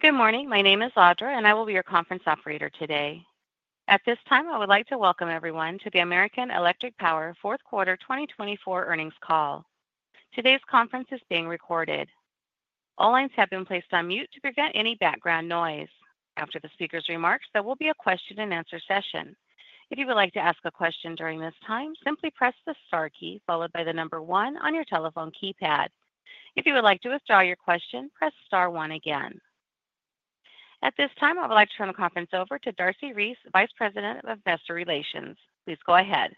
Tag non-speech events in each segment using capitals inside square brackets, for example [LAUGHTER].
Good morning. My name is Audra and I will be your conference operator today. At this time, I would like to welcome everyone to the American Electric Power fourth quarter 2024 earnings call. Today's conference is being recorded. All lines have been placed on mute to prevent any background noise. After the speaker's remarks, there will be a question and answer session. If you would like to ask a question during this time, simply press the star key followed by the number one on your telephone keypad. If you would like to withdraw your question, press star one again. At this time, I would like to turn the conference over to Darcy Reese, Vice President of Investor Relations. Please go ahead.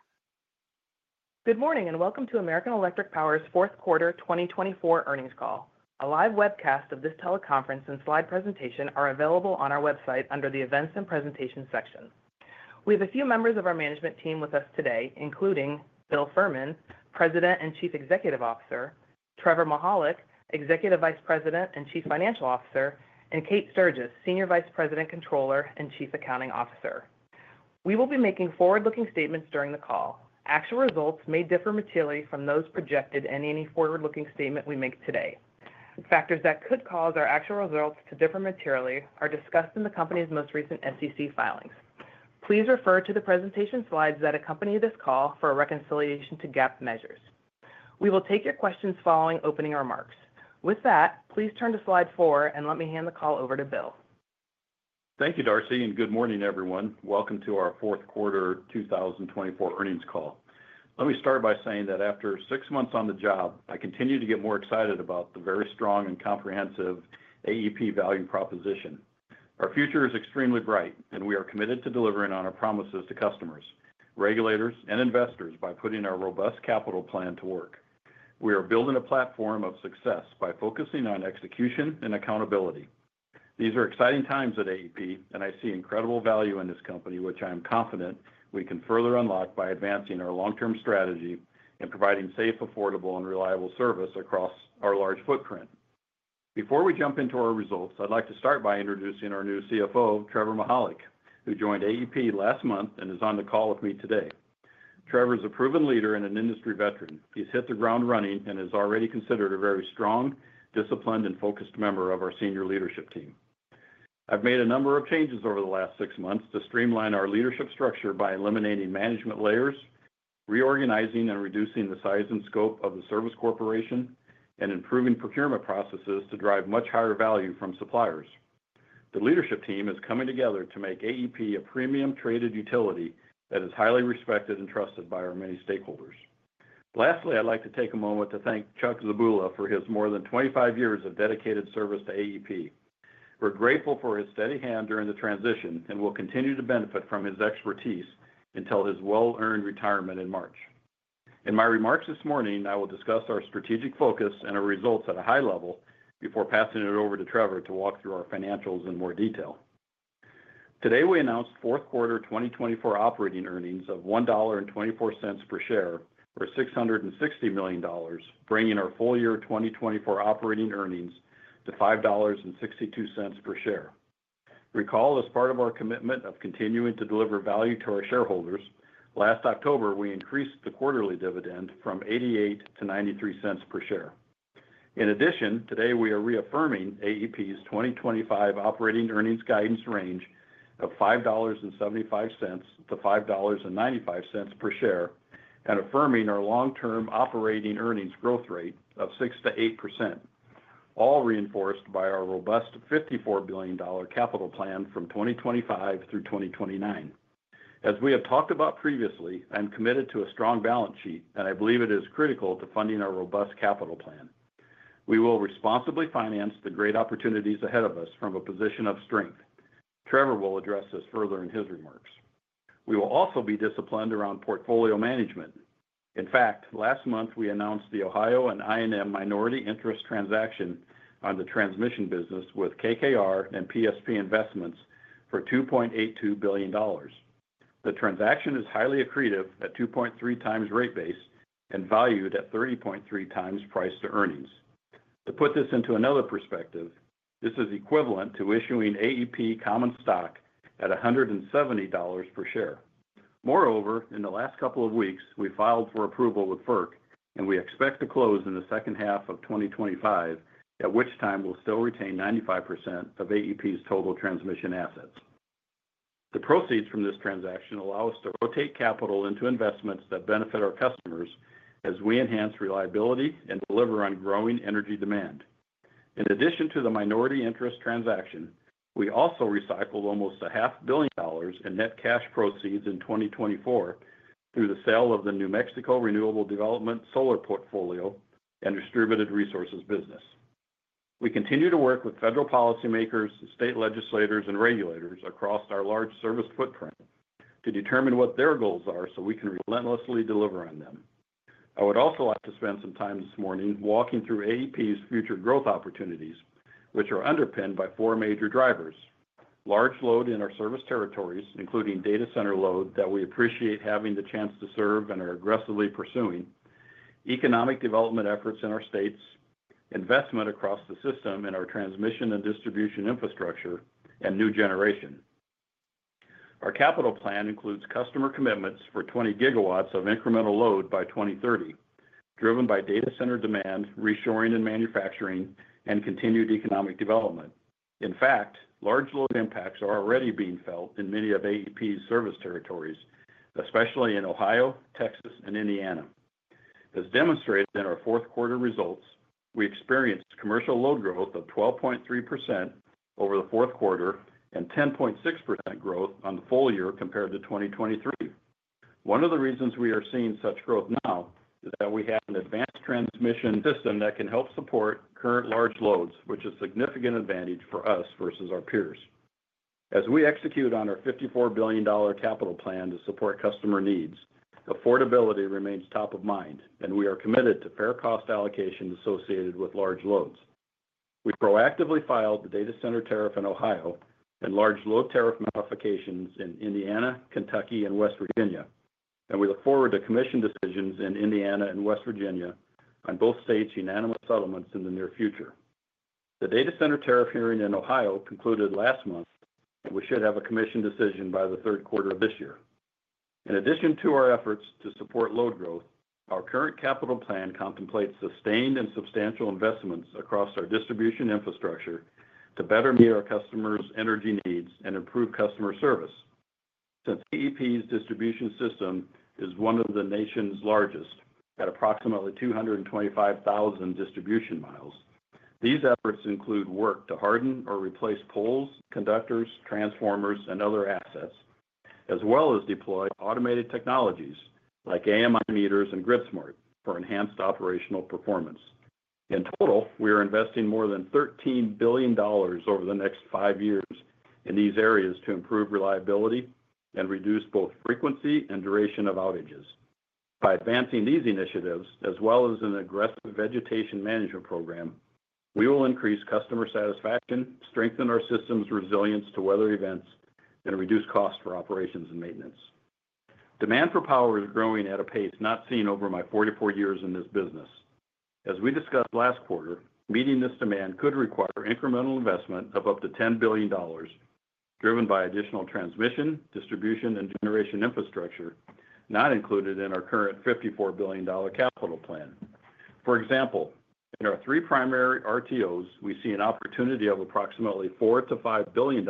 Good morning and welcome to American Electric Power's fourth quarter 2024 earnings call. A live webcast of this teleconference and slide presentation are available on our website. Under the Events and Presentations section. We have a few members of our management team with us today, including Bill Fehrman, President and Chief Executive Officer. Trevor Mihalik, Executive Vice President and Chief Financial Officer, and Kate Sturgess, Senior Vice President, Controller, and Chief Accounting Officer. We will be making forward-looking statements during the call. Actual results may differ materially from those projected in any forward-looking statement we make today. Factors that could cause our actual results to differ materially are discussed in the company's most recent SEC filings. Please refer to the presentation slides that accompany this call for a reconciliation to GAAP measures. We will take your questions following opening remarks. With that, please turn to slide four and let me hand the call over to Bill. Thank you, Darcy, and good morning everyone. Welcome to our fourth quarter 2024 earnings call. Let me start by saying that after six months on the job, I continue to get more excited about the very strong and comprehensive AEP value proposition. Our future is extremely bright and we are committed to delivering on our promises to customers, regulators and investors. By putting our robust capital plan to work, we are building a platform of success by focusing on execution and accountability. These are exciting times at AEP and I see incredible value in this company which I am confident we can further unlock by advancing our long-term strategy and providing safe, affordable and reliable service across our large footprint. Before we jump into our results, I'd like to start by introducing our new CFO, Trevor Mihalik, who joined AEP last month and is on the call with me today. Trevor is a proven leader and an industry veteran. He's hit the ground running and is already considered a very strong, disciplined and focused member of our senior leadership team. I've made a number of changes over the last six months to streamline our leadership structure by eliminating management layers, reorganizing and reducing the size and scope of the Service Corporation and improving procurement processes to drive much higher value from suppliers. The leadership team is coming together to make AEP a premium traded utility that is highly respected and trusted by our many stakeholders. Lastly, I'd like to take a moment to thank Chuck Zebula for his more than 25 years of dedicated service to AEP. We're grateful for his steady hand during the transition and will continue to benefit from his expertise until his well-earned retirement in March. In my remarks this morning, I will discuss our strategic focus and our results at a high level before passing it over to Trevor to walk through our financials in more detail. Today we announced fourth quarter 2024 operating earnings of $1.24 per share or $660 million, bringing our full year 2024 operating earnings to $5.62 per share. Recall, as part of our commitment to continuing to deliver value to our shareholders, last October we increased the quarterly dividend from $0.88 to $0.93 per share. In addition, today we are reaffirming AEP's 2025 operating earnings guidance range of $5.75-$5.95 per share and affirming our long term operating earnings growth rate of 6%-8%, all reinforced by our robust $54 billion capital plan from 2025 through 2029. As we have talked about previously, I'm committed to a strong balance sheet and I believe it is critical to funding our robust capital plan. We will responsibly finance the great opportunities ahead of us from a position of strength. Trevor will address this further in his remarks. We will also be disciplined around portfolio management. In fact, last month we announced the Ohio and I&M minority interest transaction on the transmission business with KKR and PSP Investments for $2.82 billion. The transaction is highly accretive at 2.3 times rate base and valued at 30.3 times price to earnings. To put this into another perspective, this is equivalent to issuing AEP common stock at $170 per share. Moreover, in the last couple of weeks we filed for approval with FERC and we expect to close in the second half of 2025, at which time we'll still retain 95% of AEP's total transmission assets. The proceeds from this transaction allow us to rotate capital into investments that benefit our customers as we enhance reliability and deliver on growing energy demand. In addition to the minority interest transaction, we also recycled almost $500 million in net cash proceeds in 2024 through the sale of the New Mexico Renewable Development solar portfolio and distributed resources business. We continue to work with federal policymakers, state legislators and regulators across our large service footprint to determine what their goals are so we can relentlessly deliver on them. I would also like to spend some time this morning walking through AEP's future growth opportunities, which are underpinned by four major drivers, large load in our service territories, including data center load that we appreciate having the chance to serve, and are aggressively pursuing economic development efforts in our states, investment across the system in our transmission and distribution infrastructure, and new generation. Our capital plan includes customer commitments for 20 gigawatts of incremental load by 2030, driven by data center demand, reshoring and manufacturing, and continued economic development. In fact, large load impacts are already being felt in many of AEP's service territories, especially in Ohio, Texas, and Indiana. As demonstrated in our fourth quarter results, we experienced commercial load growth of 12.3% over the fourth quarter and 10.6% growth on the full year compared to 2023. One of the reasons we are seeing such growth now is that we have an advanced transmission system that can help support current large loads, which is a significant advantage for us versus our peers. As we execute on our $54 billion capital plan to support customer needs, affordability remains top of mind and we are committed to fair cost allocation associated with large loads. We proactively filed the Data Center Tariff in Ohio and large load tariff modifications in Indiana, Kentucky and West Virginia, and we look forward to commission decisions in Indiana and West Virginia on both states' unanimous settlements in the near future. The Data Center Tariff hearing in Ohio concluded last month and we should have a commission decision by the third quarter of this year. In addition to our efforts to support load growth, our current capital plan contemplates sustained and substantial investments across our distribution infrastructure to better meet our customers' energy needs and improve customer service. Since AEP's distribution system is one of the nation's largest at approximately 225,000 distribution miles, these efforts include work to harden or replace poles, conductors, transformers and other assets, as well as deploy automated technologies like AMI meters and gridSMART for enhanced operational performance. In total, we are investing more than $13 billion over the next five years in these areas to improve reliability and reduce both frequency and duration of outages. By advancing these initiatives, as well as an aggressive vegetation management program, we will increase customer satisfaction, strengthen our system's resilience to weather events and reduce cost for operations and maintenance. Demand for power is growing at a pace not seen over my 44 years in this business. As we discussed last quarter, meeting this demand could require incremental investment of up to $10 billion driven by additional transmission, distribution and generation infrastructure not included in our current $54 billion capital plan. For example, in our three primary RTOs, we see an opportunity of approximately $4-$5 billion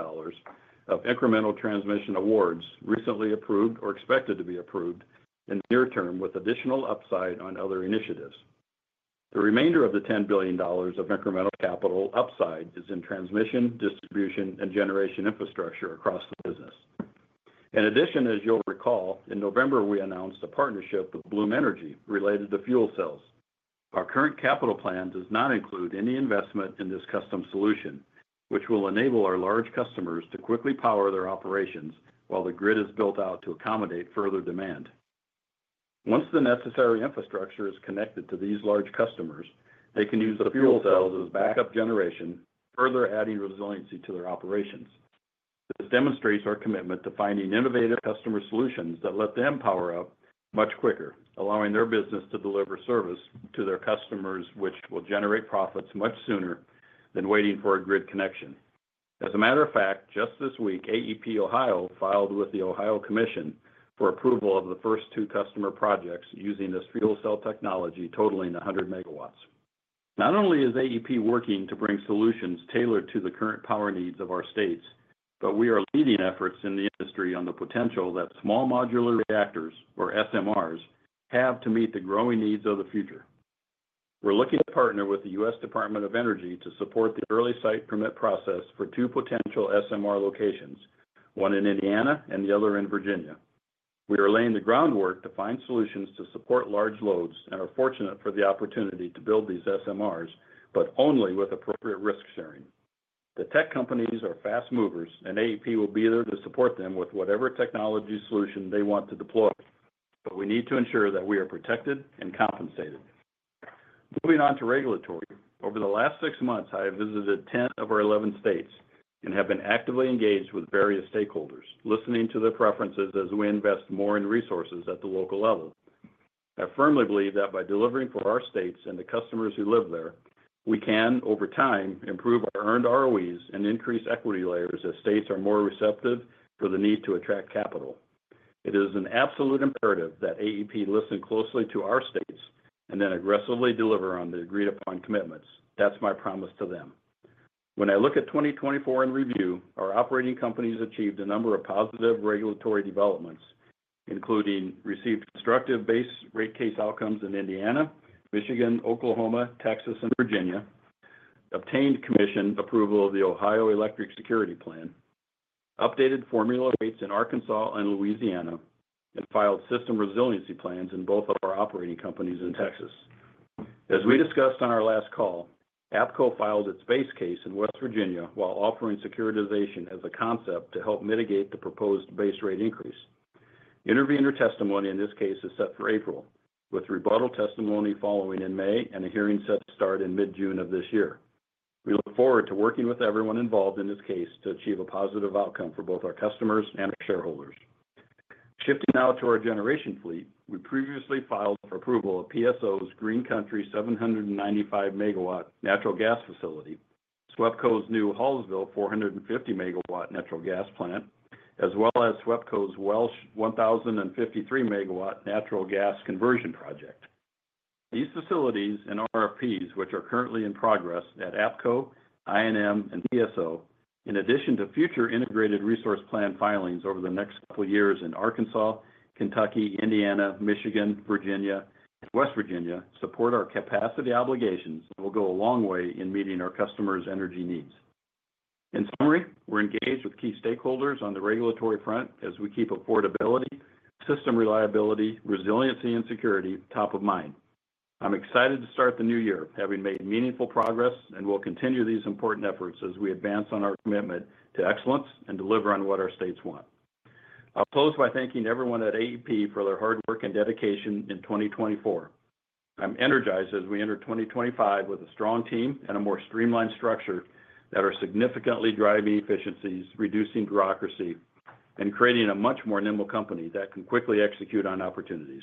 of incremental transmission awards recently approved or expected to be approved in the near term, with additional upside on other initiatives. The remainder of the $10 billion of incremental capital upside is in transmission, distribution and generation infrastructure across the business. In addition, as you'll recall, in November we announced a partnership with Bloom Energy related to fuel cells. Our current capital plan does not include any investment in this custom solution, which will enable our large customers to quickly power their operations while the grid is built out to accommodate further demand. Once the necessary infrastructure is connected to these large customers, they can use the fuel cells as backup generation, further adding resiliency to their operations. This demonstrates our commitment to finding innovative customer solutions that let them power up much quicker, allowing their business to deliver service to their customers, which will generate profits much sooner than waiting for a grid connection. As a matter of fact, just this week AEP Ohio filed with the Ohio Commission for approval of the first two customer projects using this fuel cell technology totaling 100 megawatts. Not only is AEP working to bring solutions tailored to the current power needs of our states, but we are leading efforts in the industry on the potential that small modular reactors or SMRs have to meet the growing needs of the future. Looking to partner with the U.S. Department of Energy to support the early site permit process for two potential SMR locations, one in Indiana and the other in Virginia. We are laying the groundwork to find solutions to support large loads and are fortunate for the opportunity to build these SMRs, but only with appropriate risk sharing. The tech companies are fast movers and AEP will be there to support them with whatever technology solution they want to deploy, but we need to ensure that we are protected and compensated. Moving on to regulatory over the last six months I have visited 10 of our 11 states and have been actively engaged with various stakeholders, listening to their preferences as we invest more in resources at the local level. I firmly believe that by delivering for our states and the customers who live there, we can over time improve our earned ROEs and increase equity layers. As states are more receptive for the need to attract capital, it is an absolute imperative that AEP listen closely to our states and then aggressively deliver on the agreed upon commitments. That's my promise to them when I look at 2024. In review, our operating companies achieved a number of positive regulatory developments including received constructive base rate case outcomes in Indiana, Michigan, Oklahoma, Texas, and Virginia, obtained Commission approval of the Ohio Electric Security Plan, updated formula rates in Arkansas and Louisiana, and filed system resiliency plans in both of our operating companies in Texas. As we discussed on our last call, APCO filed its base rate case in West Virginia while offering securitization as a concept to help mitigate the proposed base rate increase. Intervenor testimony in this case is set for April, with rebuttal testimony following in May and a hearing set to start in mid June of this year. We look forward to working with everyone involved in this case to achieve a positive outcome for both our customers and shareholders. Shifting now to our generation fleet, we previously filed for approval of PSO's Green Country 795-megawatt natural gas facility, SWEPCO's new Hallsville 450-megawatt natural gas plant, as well as SWEPCO's Welsh 1053-megawatt natural gas conversion project. These facilities and RFPs which are currently in progress at APCO, I&M and PSO in addition to future Integrated Resource Plan filings over the next couple years in Arkansas, Kentucky, Indiana, Michigan, Virginia and West Virginia support our capacity obligations will go a long way in meeting our customers' energy needs. In summary, we're engaged with key stakeholders on the regulatory front as we keep affordability, system reliability, resiliency and security top of mind. I'm excited to start the new year having made meaningful progress and will continue these important efforts as we advance on our commitment to excellence and deliver on what our states want. I'll close by thanking everyone at AEP for their hard work and dedication in 2024. I'm energized as we enter 2025 with a strong team and a more streamlined structure that are significantly driving efficiencies, reducing bureaucracy and creating a much more nimble company that can quickly execute on opportunities.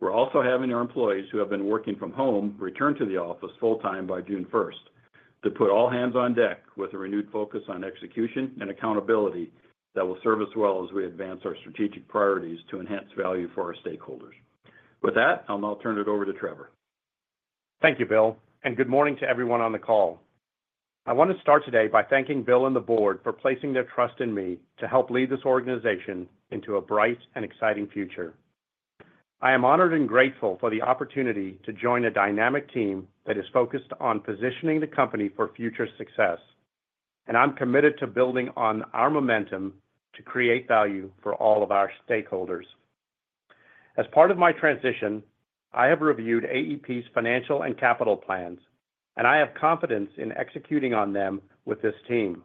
We're also having our employees who have been working from home return to the office full time by June 1st to put all hands on deck with a renewed focus on execution and accountability that will serve us well as we advance our strategic priorities to enhance value for our stakeholders. With that, I'll now turn it over to Trevor. Thank you Bill and good morning to everyone on the call. I want to start today by thanking Bill and the board for placing their trust in me to help lead this organization into a bright and exciting future. I am honored and grateful for the opportunity to join a dynamic team that is focused on positioning the company for future success, and I'm committed to building on our momentum to create value for all of our stakeholders. As part of my transition, I have reviewed AEP's financial and capital plans and I have confidence in executing on them with this team.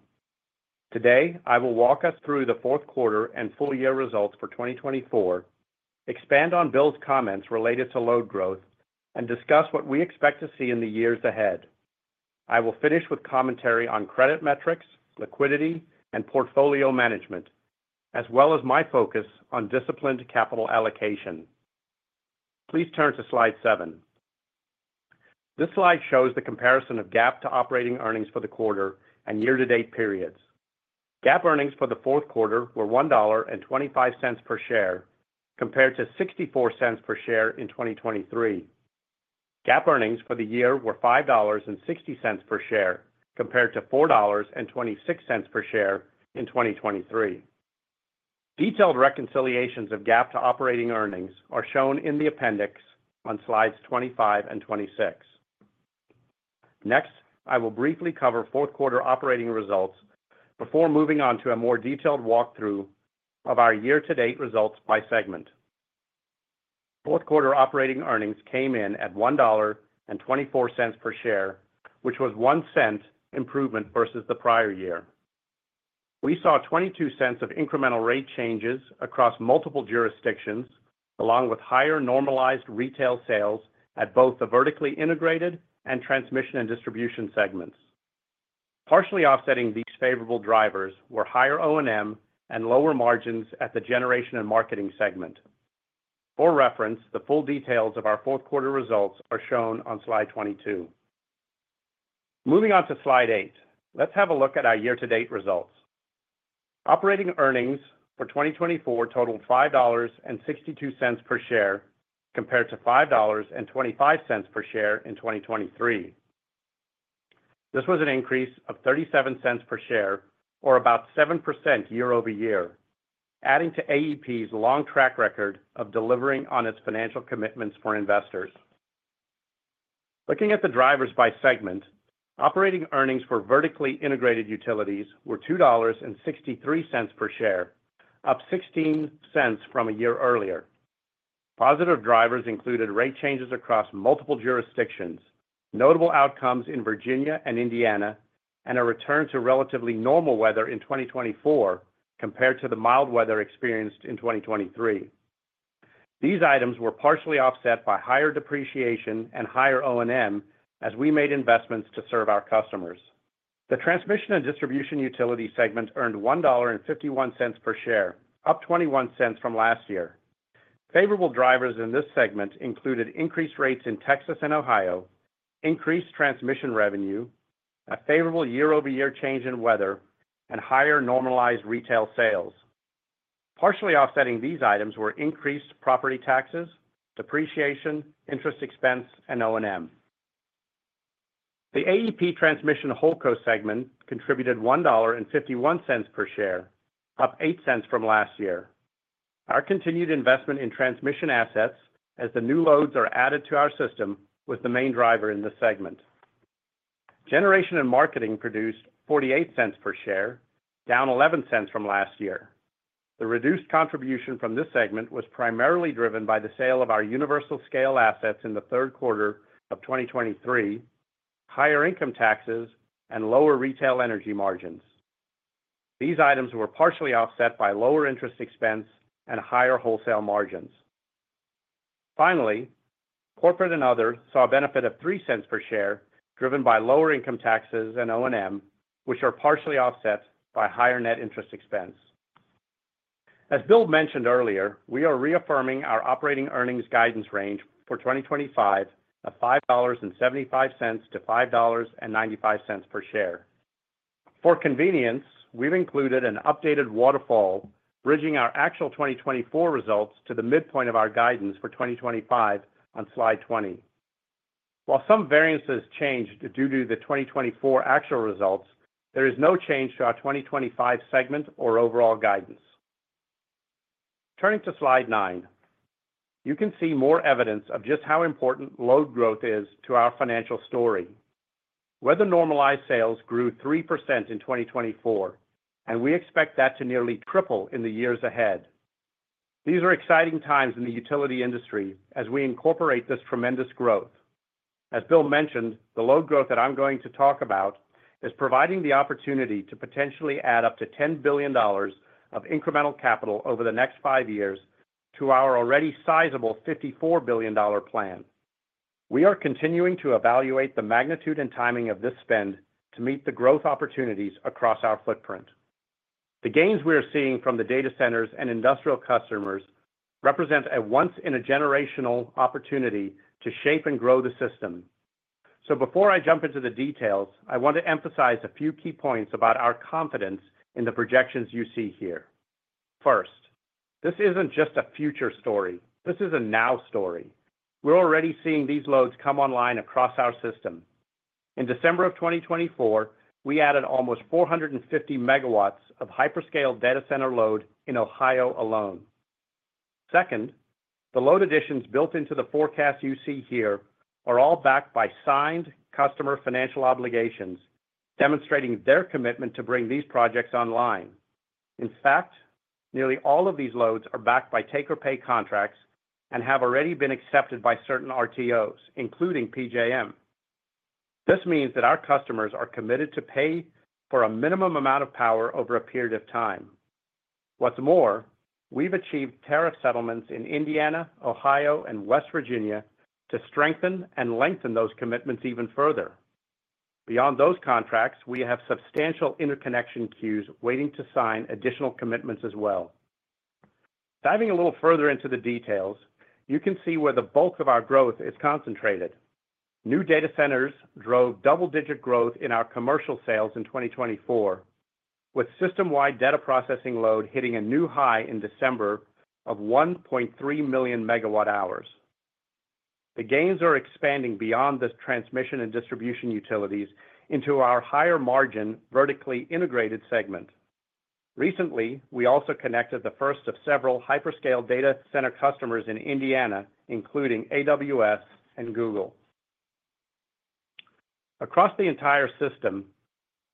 Today, I will walk us through the fourth quarter and full year results for 2024, expand on Bill's comments related to load growth, and discuss what we expect to see in the years ahead. I will finish with commentary on credit metrics, liquidity and portfolio management, as well as my focus on disciplined capital allocation. Please turn to slide seven. This slide shows the comparison of GAAP to operating earnings for the quarter and year-to-date periods. GAAP earnings for the fourth quarter were $1.25 per share compared to $0.64 per share in 2023. GAAP earnings for the year were $5.60 per share compared to $4.26 per share in 2023. Detailed reconciliations of GAAP to operating earnings are shown in the Appendix on slides 25 and 26. Next, I will briefly cover fourth quarter operating results before moving on to a more detailed walkthrough of our year-to-date results by segment. Fourth quarter operating earnings came in at $1.24 per share, which was $0.01 improvement versus the prior year. We saw $0.22 of incremental rate changes across multiple jurisdictions, along with higher normalized retail sales at both the vertically integrated and transmission and distribution segments. Partially offsetting these favorable drivers were higher O and M and lower margins at the generation and marketing segment. For reference, the full details of our fourth quarter results are shown on slide 22. Moving on to slide eight, let's have a look at our year to date results. Operating earnings for 2024 totaled $5.62 per share compared to $5.25 per share in 2023. This was an increase of $0.37 per share, or about 7% year over year, adding to AEP's long track record of delivering on its financial commitments for investors. Looking at the drivers by segment, operating earnings for vertically integrated utilities were $2.63 per share, up $0.16 from a year earlier. Positive drivers included rate changes across multiple jurisdictions, notable outcomes in Virginia and Indiana, and a return to relatively normal weather in 2024 compared to the mild weather experienced in 2023. These items were partially offset by higher depreciation and higher O&M as we made investments to serve our customers. The transmission and distribution utilities segment earned $1.51 per share, up $0.21 from last year. Favorable drivers in this segment included increased rates in Texas and Ohio, increased transmission revenue, a favorable year-over-year change in weather and higher normalized retail sales. Partially offsetting these items were increased property taxes, depreciation, interest expense and O&M. The AEP Transmission Holdco segment contributed $1.51 per share, up $0.08 from last year. Our continued investment in transmission assets as the new loads are added to our system was the main driver in this segment. Generation and marketing produced $0.48 per share, down $0.11 from last year. The reduced contribution from this segment was primarily driven by the sale of our utility-scale assets in the third quarter of 2023, higher income taxes and lower retail energy margins. These items were partially offset by lower interest expense and higher wholesale margins. Finally, corporate and other saw a benefit of $0.03 per share driven by lower income taxes and O and M which are partially offset by higher net interest expense. As Bill mentioned earlier, we are reaffirming our operating earnings guidance range for 2025 of $5.75 to $5.95 per share. For convenience, we've included an updated waterfall bridging our actual 2024 results to the midpoint of our guidance for 2025 on slide 20. While some variances changed due to the 2024 actual results, there is no change to our 2025 segment or overall guidance. Turning to slide nine, you can see more evidence of just how important load growth is to our financial story. Weather-normalized sales grew 3% in 2024 and we expect that to nearly triple in the years ahead. These are exciting times in the utility industry as we incorporate this tremendous growth. As Bill mentioned, the load growth that I'm going to talk about is providing the opportunity to potentially add up to $10 billion of incremental capital over the next five years to our already sizable $54 billion plan. We are continuing to evaluate the magnitude and timing of this spend to meet the growth opportunities across our footprint. The gains we are seeing from the data centers and industrial customers represent a once-in-a-generation opportunity to shape and grow the system. So before I jump into the details, I want to emphasize a few key points about our confidence in the projections you see here. First, this isn't just a future story, this is a now story. We're already seeing these loads come online across our system. In December of 2024 we added almost 450 megawatts of hyperscale data center load in Ohio alone. Second, the load additions built into the forecast you see here are all backed by signed customer financial obligations demonstrating their commitment to bring these projects online. In fact, nearly all of these loads are backed by take-or-pay contracts and have already been accepted by certain RTOs including PJM. This means that our customers are committed to pay for a minimum amount of power over a period of time. What's more, we've achieved tariff settlements in Indiana, Ohio and West Virginia to strengthen and lengthen those commitments even further. Beyond those contracts, we have substantial interconnection queues waiting to sign additional commitments as well. Diving a little further into the details, you can see where the bulk of our growth is concentrated. New data centers drove double-digit growth in our commercial sales in 2024, with system-wide data processing load hitting a new high in December of 1.3 million megawatt-hours. The gains are expanding beyond the transmission and distribution utilities into our higher margin vertically integrated segment. Recently we also connected the first of several hyperscale data center customers in Indiana, including AWS and Google. Across the entire system,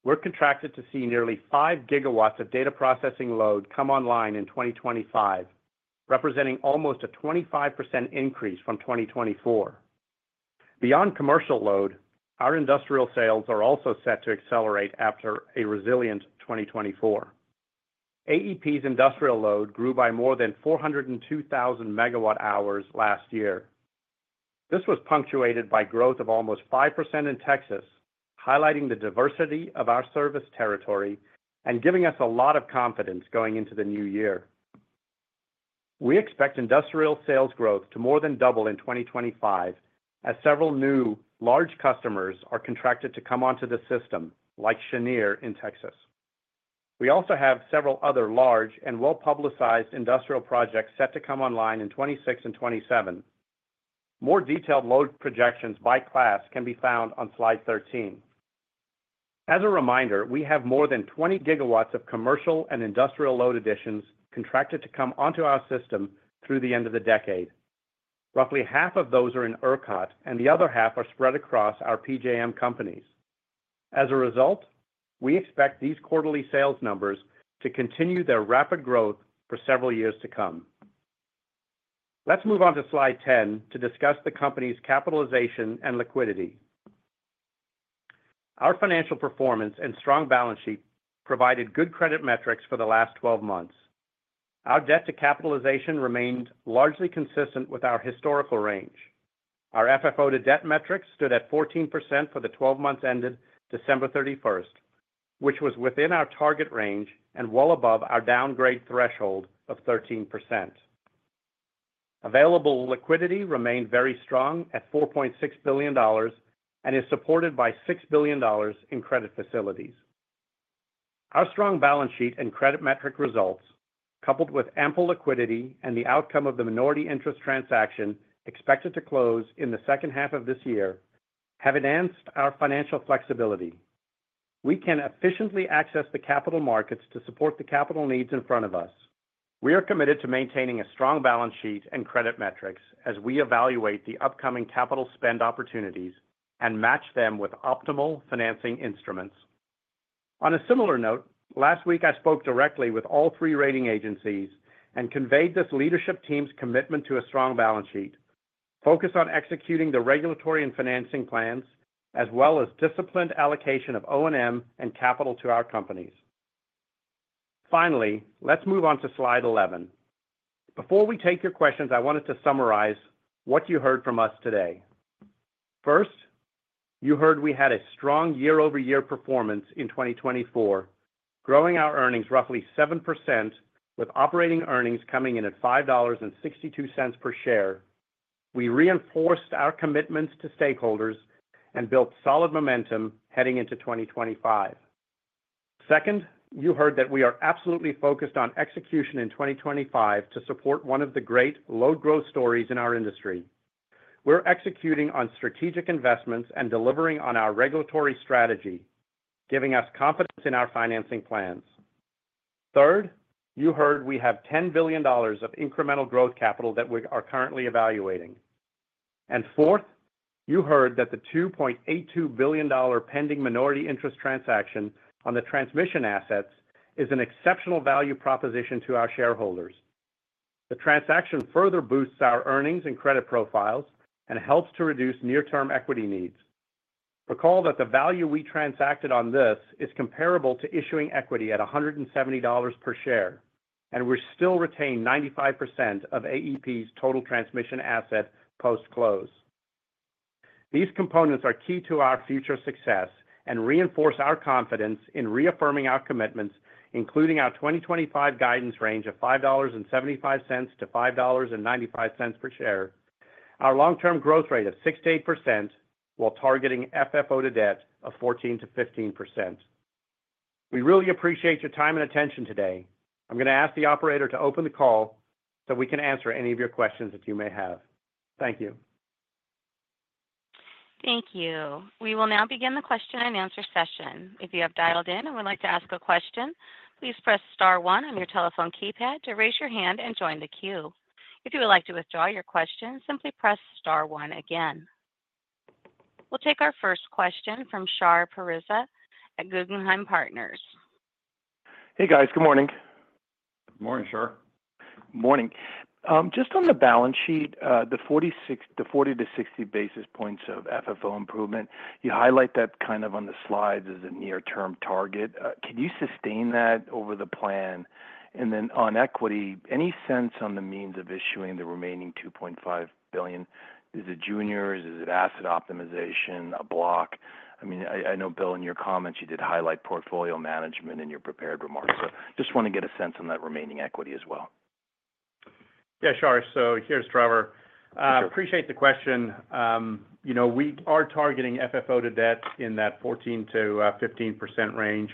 we're contracted to see nearly 5 gigawatts of data processing load come online in 2025, representing almost a 25% increase from 2024. Beyond commercial load, our industrial sales are also set to accelerate after a resilient 2024. AEP's industrial load grew by more than 402,000 megawatt hours last year. This was punctuated by growth of almost 5% in Texas, highlighting the diversity of our service territory and giving us a lot of confidence going into the new year. We expect industrial sales growth to more than double in 2025 as several new large customers are contracted to come onto the system. Like Cheniere in Texas, we also have several other large and well publicized industrial projects set to come online in 2026 and 2027. More detailed load projections by class can be found on slide 13. As a reminder, we have more than 20 gigawatts of commercial and industrial load additions contracted to come onto our system through the end of the decade. Roughly half of those are in ERCOT and the other half are spread across our PJM companies. As a result, we expect these quarterly sales numbers to continue their rapid growth for several years to come. Let's move on to slide 10 to discuss the company's capitalization and liquidity. Our financial performance and strong balance sheet provided good credit metrics for the last 12 months. Our debt to capitalization remained largely consistent with our historical range. Our FFO to debt metrics stood at 14% for the 12 months ended December 31, which was within our target range and well above our downgrade threshold of 13%. Available liquidity remained very strong at $4.6 billion and is supported by $6 billion in credit facilities. Our strong balance sheet and credit metric results, coupled with ample liquidity and the outcome of the minority interest transaction expected to close in the second half of this year, have enhanced our financial flexibility. We can efficiently access the capital markets to support the capital needs in front of us. We are committed to maintaining a strong balance sheet and credit metrics as we evaluate the upcoming capital spend opportunities and match them with optimal financing instruments. On a similar note, last week I spoke directly with all three rating agencies and conveyed this leadership team's commitment to a strong balance sheet focus on executing the regulatory and financing plans as well as disciplined allocation of O&M and capital to our companies. Finally, let's move on to slide 11 before we take your questions. I wanted to summarize what you heard from us today. First, you heard we had a strong year over year performance in 2024, growing our earnings roughly 7% with operating earnings coming in at $5.62 per share. We reinforced our commitments to stakeholders and built solid momentum heading into 2025. Second, you heard that we are absolutely focused on execution in 2025 to support one of the great load growth stories in our industry. We're executing on strategic investments and delivering on our regulatory strategy, giving us confidence in our financing plans. Third, you heard we have $10 billion of incremental growth capital that we are currently evaluating. And fourth, you heard that the $2.82 billion pending minority interest transaction on the transmission assets is an exceptional value proposition to our shareholders. The transaction further boosts our earnings and credit profiles and helps to reduce near term equity needs. Recall that the value we transacted on this is comparable to issuing equity at $170 per share and we still retain 95% of AEP's total transmission asset post close. These components are key to our future success and reinforce our confidence in reaffirming our commitments, including our 2025 guidance range of $5.75-$5.95 per share, our long term growth rate of 6%-8% while targeting FFO to debt of 14%-15%. We really appreciate your time and attention. Today I'm going to ask the operator to open the call so we can answer any of your questions that you may have. Thank you. Thank you. We will now begin the question and answer session. If you have dialed in and would like to ask a question, please press star one on your telephone keypad to raise your hand and join the queue. If you would like to withdraw your questions, simply press star one. Again, we'll take our first question from Shar Pourreza at Guggenheim Partners. Hey guys, good morning. Good morning, Shar. Morning. Just on the balance sheet, the 40-60 basis points of FFO improvement you highlight that kind of on the slides as a near term target. Can you sustain that over the plan? And then on equity, any sense on the means of issuing the remaining $2.5 billion? Is it juniors? Is it asset optimization, a block? I mean, I know Bill, in your comments you did highlight portfolio management in your prepared remarks. So just want to get a sense on that remaining equity as well. Yeah, sure. So here's Trevor. Appreciate the question. You know, we are targeting FFO to debt in that 14%-15% range.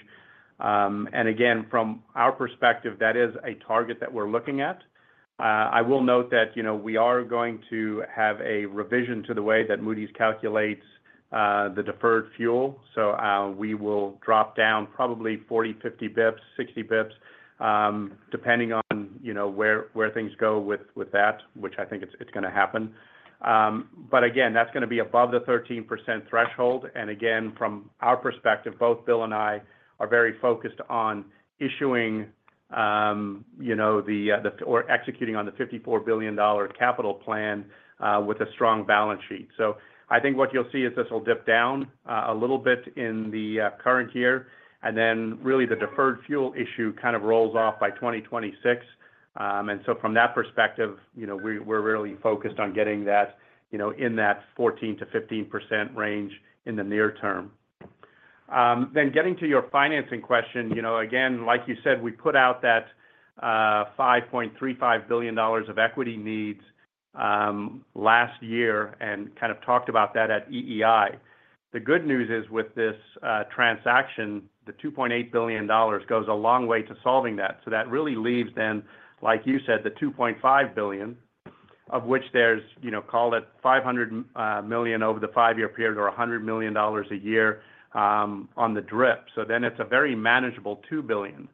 And again, from our perspective, that is a target that we're looking at. I will note that, you know, we are going to have a revision to the way that Moody's calculates the deferred fuel. So we will drop down probably 40, 50 basis points, 60 basis points, depending on, you know, where things go with that, which I think it's going to happen. But again, that's going to be above the 13% threshold. And again, from our perspective, both Bill and I are very focused on issuing, you know, the or executing on the $54 billion capital plan with a strong balance sheet. I think what you'll see is this will dip down a little bit in the current year and then really the deferred fuel issue kind of rolls off by 2026. From that perspective, you know, we're really focused on getting that, you know, in that 14%-15% range in the near term. Then getting to your financing question, you know, again, like you said, we put out that $5.35 billion of equity needs last year and kind of talked about that at EEI. The good news is with this transaction, the $2.8 billion goes a long way to solving that. That really leaves then, like you said, the $2.5 billion of which there's, you know, call it $500 million over the five year period or $100 million a year on the DRIP. Then it's a very manageable $2 billion.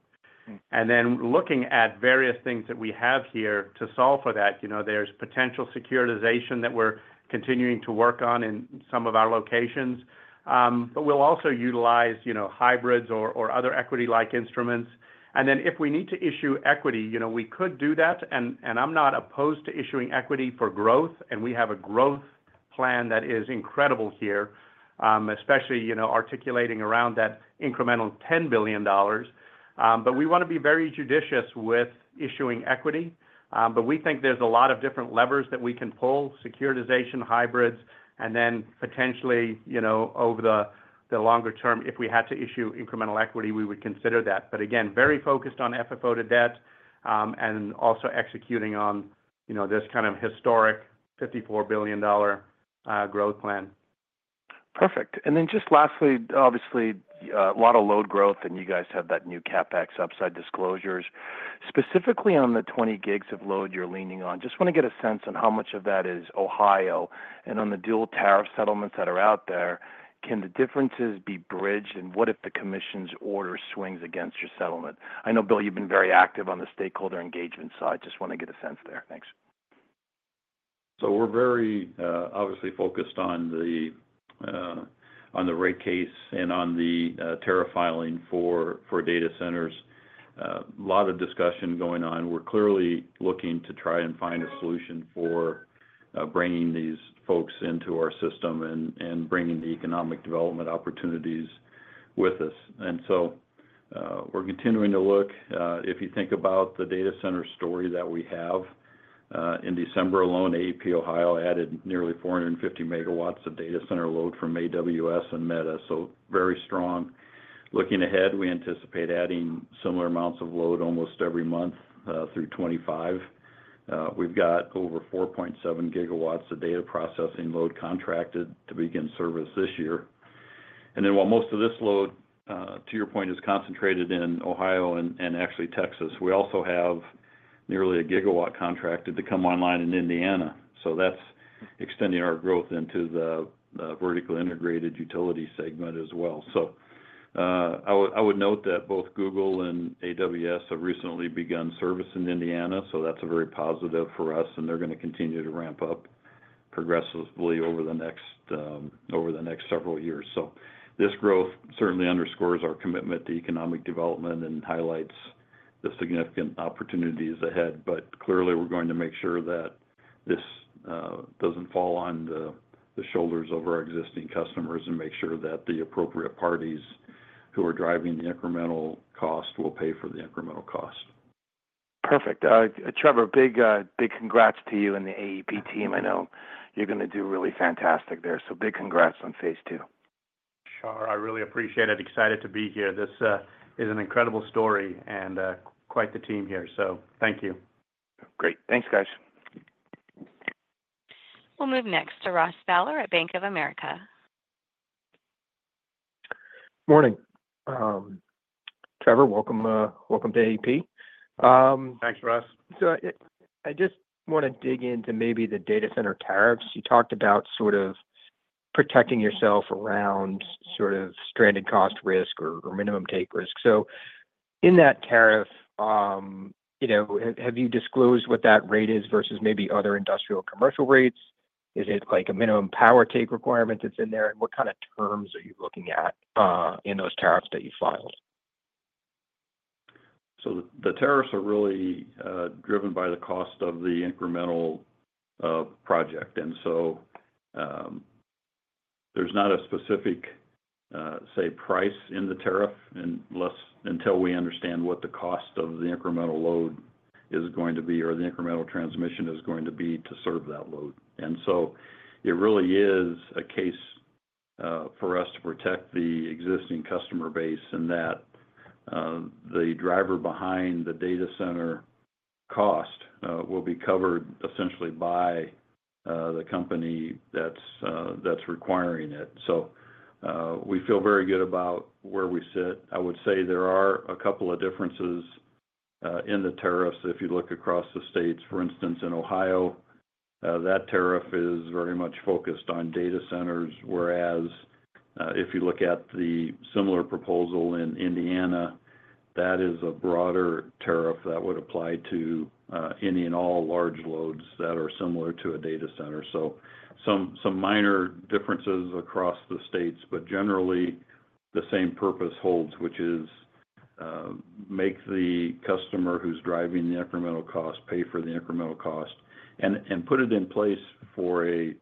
And then looking at various things that we have here to solve for that, you know, there's potential securitization that we're continuing to work on in some of our locations. But we'll also utilize, you know, hybrids or other equity like instruments and then if we need to issue equity, you know, we could do that. And I'm not opposed to issuing equity for growth and we have a growth plan that is incredible here, especially you know, articulating around that incremental $10 billion. But we want to be very judicious with issuing equity. But we think there's a lot of different levers that we can pull securitization, hybrids and then potentially, you know, over the longer term if we had to issue incremental equity, we would consider that. But again, very focused on FFO to debt and also executing on this kind of historic $54 billion growth plan. Perfect. Then, just lastly, obviously a lot of load growth and you guys have that new CapEx upside disclosures specifically on the 20 GW of load you're leaning on. Just want to get a sense on how much of that is Ohio and on the dual tariff settlements that are out there. Can the differences be bridged and what if the commission's order swings against your settlement? I know Bill, you've been very active on the stakeholder engagement side. Just want to get a sense there. Thanks. We're very obviously focused on the rate case and on the tariff filing for data centers. A lot of discussion going on. We're clearly looking to try and find a solution for bringing these folks into our system and bringing the economic development opportunities with us. We're continuing to look. If you think about the data center story that we have, in December alone, AEP Ohio added nearly 450 megawatts of data center load from AWS and Meta. So very strong. Looking ahead, we anticipate adding similar amounts of load almost every month through 2025. We've got over 4.7 gigawatts of data processing load contracted to begin service this year. And then while most of this load to your point is concentrated in Ohio and actually Texas, we also have nearly a gigawatt contracted to come online in Indiana. So that's extending our growth into the vertically integrated utility segment as well. So I would note that both Google and AWS have recently begun service in Indiana. So that's a very positive for us. And they're going to continue to ramp up progressively over the next several years. This growth certainly underscores our commitment to economic development and highlights the significant opportunities ahead. Clearly we're going to make sure that this doesn't fall on the shoulders of our existing customers and make sure that the appropriate parties who are driving the incremental cost will pay for the incremental cost. Perfect. Trevor, big congrats to you and the AEP team. I know you're going to do really fantastic there, so big congrats on phase two. Sure. I really appreciate it. Excited to be here. This is an incredible story and quite the team here. So thank you. Great. Thanks, guys. We'll move next to Ross Fowler at Bank of America. Morning, Trevor. Welcome. Welcome to AEP. Thanks, Ross. So I just want to dig into maybe the data center tariffs you talked. About sort of protecting yourself around sort of stranded cost risk or minimum take risk. So, in that tariff, you know, have you disclosed what that rate is versus? Maybe other industrial commercial rates? Is it like a minimum power take. Requirement that's in there? And what kind of terms are you? Looking at those tariffs that you filed, so the tariffs are really driven by the cost of the incremental project, and so there's not a specific, say, price in the tariff until we understand what the cost of the incremental load is going to be or the incremental transmission is going to be to serve that load, and so it really is a case for us to protect the existing customer base and that the driver behind the data center cost will be covered essentially by the company that's requiring it, so we feel very good about where we sit. I would say there are a couple of differences in the tariffs. If you look across the states, for instance, in Ohio, that tariff is very much focused on data centers, whereas if you look at the similar proposal in Indiana, that is a broader tariff that would apply to any and all large loads that are similar to a data center. So some minor differences across the states, but generally the same purpose holds, which is make the customer who's driving the incremental cost pay for the incremental cost and put it in place for a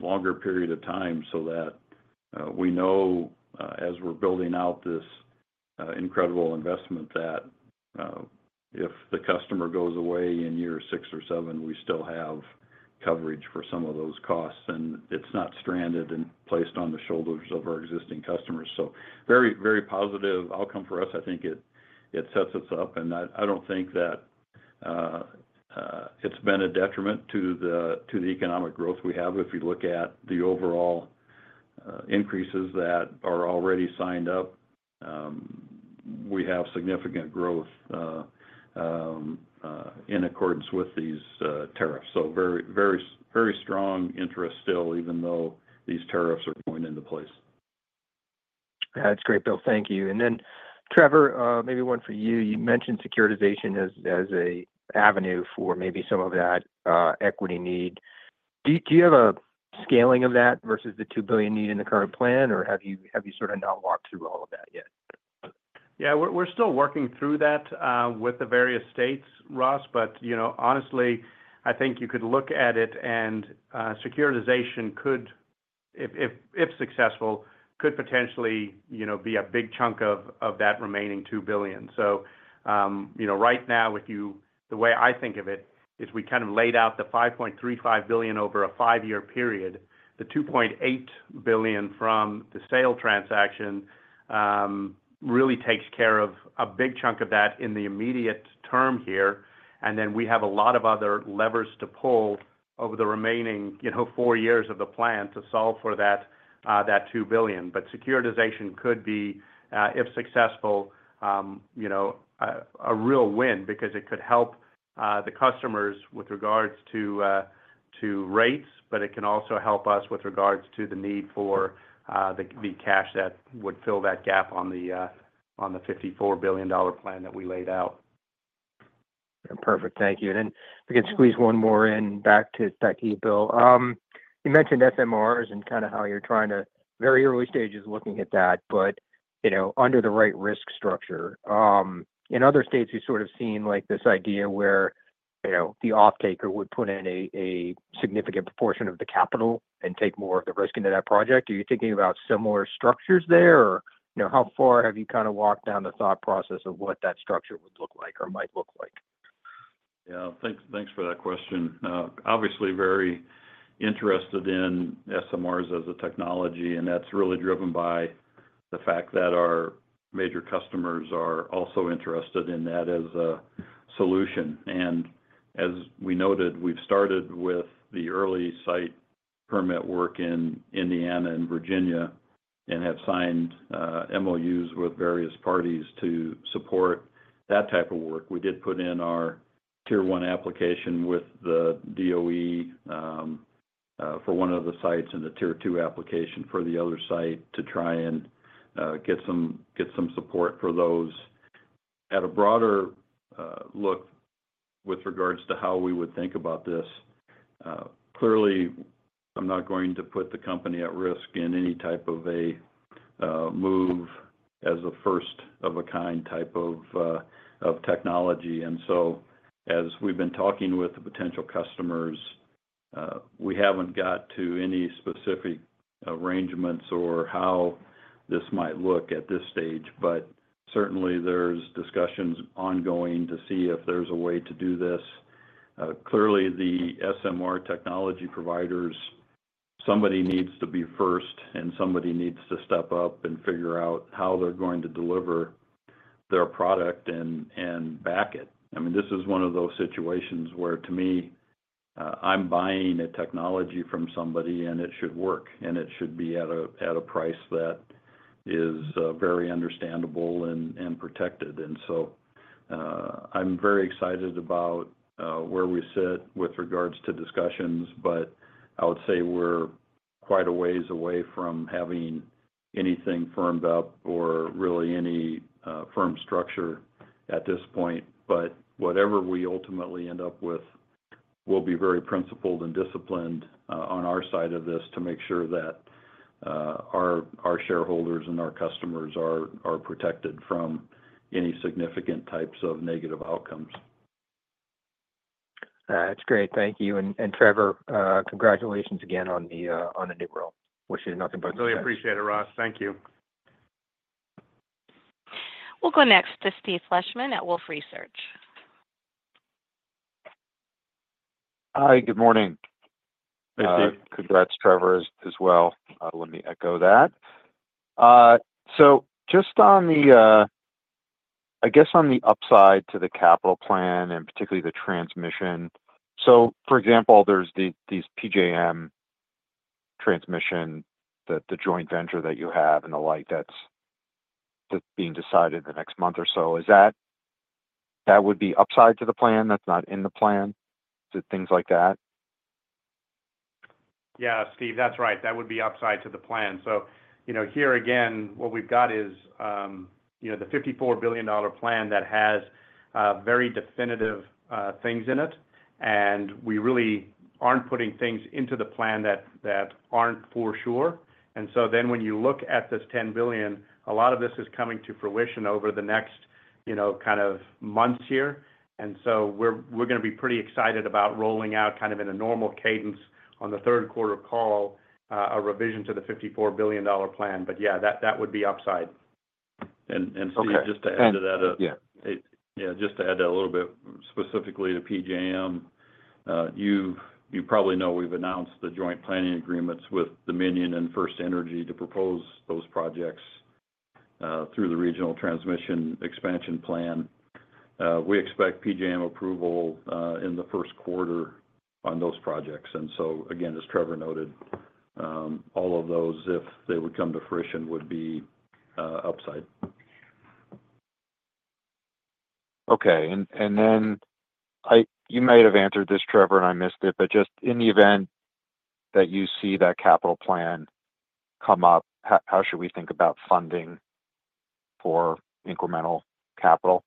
longer period of time so that we know as we're building out this incredible investment that if the customer goes away in year six or seven. We still have coverage for some of those costs and it's not stranded and placed on the shoulders of our existing customers. So very, very positive outcome for us. I think it sets us up and I don't think that it's been a detriment to the economic growth we have. If you look at the overall increases that are already signed up, we have significant growth in accordance with these tariffs. So very, very, very strong interest still, even though these tariffs are going into place. That's great, Bill, thank you. And then, Trevor, maybe one for you. You mentioned securitization as a avenue for. Maybe some of that equity need. Do you have a scaling of that versus the $2 billion need in the current plan or have you sort of not walked through? All of that yet? Yeah, we're still working through that with the various states, Ross. But you know, honestly I think you could look at it and securitization could, if successful, could potentially, you know, be a big chunk of that remaining $2 billion. So you know, right now, if you. The way I think of it is we kind of laid out the $5.35 billion over a five-year period. The $2.8 billion from the sale transaction really takes care of a big chunk of that in the immediate term here. And then we have a lot of other levers to pull over the remaining, you know, four years of the plan to solve for that $2 billion. But securitization could be, if successful, you know, a real win because it could help the customers with regards to rates, but it can also help us with regards to the need for the cash that would fill that gap on the $54 billion plan that we laid out. Perfect, thank you. And we can squeeze one more in. Back to you, Bill. You mentioned SMRs and kind of how. We're in the very early stages looking at that. but you know, under the right risk. Structure in other states we sort of. Seems like this idea where, you know, the off-taker would put in a. Significant proportion of the capital and take more of the risk into that project. Are you thinking about similar structures there? Or how far have you kind of? Walked down the thought process of what that structure would look like or might look like? Yeah, thanks for that question. Obviously very interested in SMRs as a technology and that's really driven by the fact that our major customers are also interested in that as a solution. And as we noted, we've started with the early site permit work in Indiana and Virginia and have signed MoUs with various parties to support that type of work. We did put in our Tier 1 application with the DOE for one of the sites and the Tier 2 application for the other site to try and get some support for those at a broader look with regards to how we would think about this. Clearly I'm not going to put the company at risk in any type of a move as a first of a kind type of technology. And so as we've been talking with the potential customers, we haven't got to any specific arrangements or how this might look at this stage, but certainly there's discussions ongoing to see if there's a way to do this. Clearly, the SMR technology providers, somebody needs to be first and somebody needs to step up and figure out how they're going to deliver their product and back it. I mean, this is one of those situations where to me, I'm buying a technology from somebody and it should work and it should be at a price that is very understandable and protected. And so I'm very excited about where we sit with regards to discussions. But I would say we're quite a ways away from having anything firmed up or really any firm structure at this point. But whatever we ultimately end up with, we'll be very principled and disciplined on our side of this to make sure that our shareholders and our customers are protected from any significant types of negative outcomes. That's great. Thank you. Trevor, congratulations again on the new role. Wish you nothing, but [CROSSTALK] Really appreciate it, Ross. Thank you. We'll go next to Steve Fleishman at Wolfe Research. Hi, good morning. Congrats, Trevor, as well. Let me echo that. So just on the, I guess on the upside to the capital plan and particularly the transmission, so for example, there's the, these PJM transmission that the joint venture that you have and the like that's being decided in the next month or so, is that would be upside to the plan that's not in the plan, things like that. Yeah, Steve, that's right. That would be upside to the plan. So, you know, here again, what we've got is, you know, the $54 billion plan that has very definitive things in it. And we really aren't putting things into the plan that aren't for sure. And so then when you look at this $10 billion, a lot of this is coming to fruition over the next, you know, kind of months here. And so we're going to be pretty excited about rolling out kind of in a normal cadence on the third quarter call, a revision to the $54 billion plan. But yeah, that would be upside. Steve, just to add to that. Yeah, yeah, just to add that a little bit specifically to PJM. You probably know we've announced the joint planning agreements with Dominion and FirstEnergy to propose those projects through the Regional Transmission Expansion Plan. We expect PJM approval in the first quarter on those projects. And so again, as Trevor noted, all of those, if they would come to fruition, would be upside. Okay. And then you might have answered this, Trevor, and I missed it. But just in the event that you see that capital plan come up, how should we think about funding for incremental capital?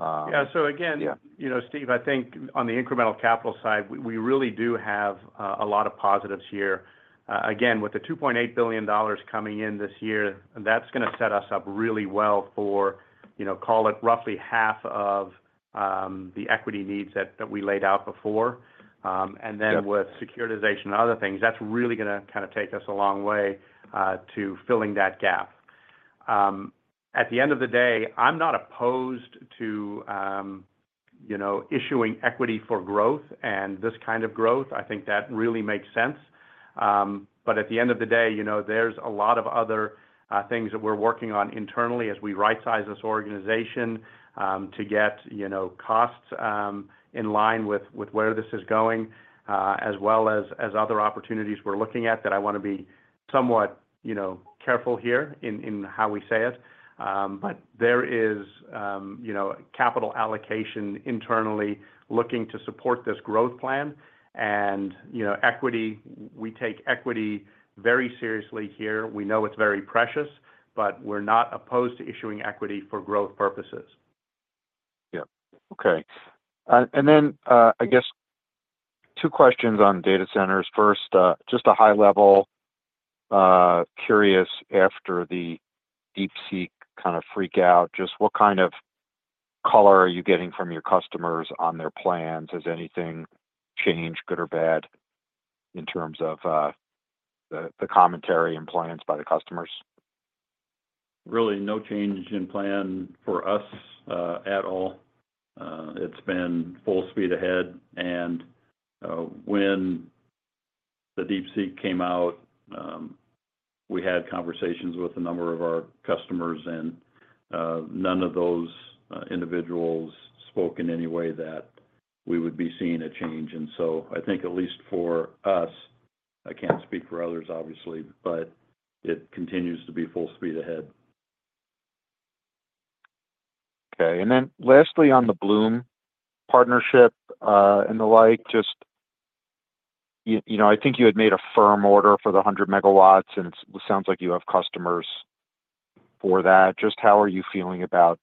Yeah. So again, you know, Steve, I think on the incremental capital side, we really do have a lot of positives here. Again, with the $2.8 billion coming in this year, that's going to set us up really well for, you know, call it roughly half of the equity needs that we laid out before. And then with securitization, other things, that's really going to kind of take us a long way to filling that gap. At the end of the day, I'm not opposed to, you know, issuing equity for growth and this kind of growth. I think that really makes sense. But at the end of the day, you know, there's a lot of other things that we're working on internally as we right-size this organization to get costs in line with where this is going as well as other opportunities. We're looking at that. I want to be somewhat careful here in how we say it, but there is capital allocation internally looking to support this growth plan and equity. We take equity very seriously here. We know it's very precious, but we're not opposed to issuing equity for growth purposes. Yep. Okay. And then I guess two questions on data centers. First, just a high-level curious after the DeepSeek, kind of freak out. Just what kind of color are you getting from your customers on their plans? Has anything changed, good or bad, in terms of the commentary and plans by the customers? Really no change in plan for us at all. It's been full speed ahead. And when the DeepSeek came out, we had conversations with a number of our customers and none of those individuals spoke in any way that we would be seeing a change. And so I think, at least for us, I can't speak for others, obviously, but it continues to be full speed ahead. Okay. And then, lastly, on the Bloom partnership and the like, just, you know, I think you had made a firm order for the 100 megawatts and sounds like you have customers for that. Just how are you feeling about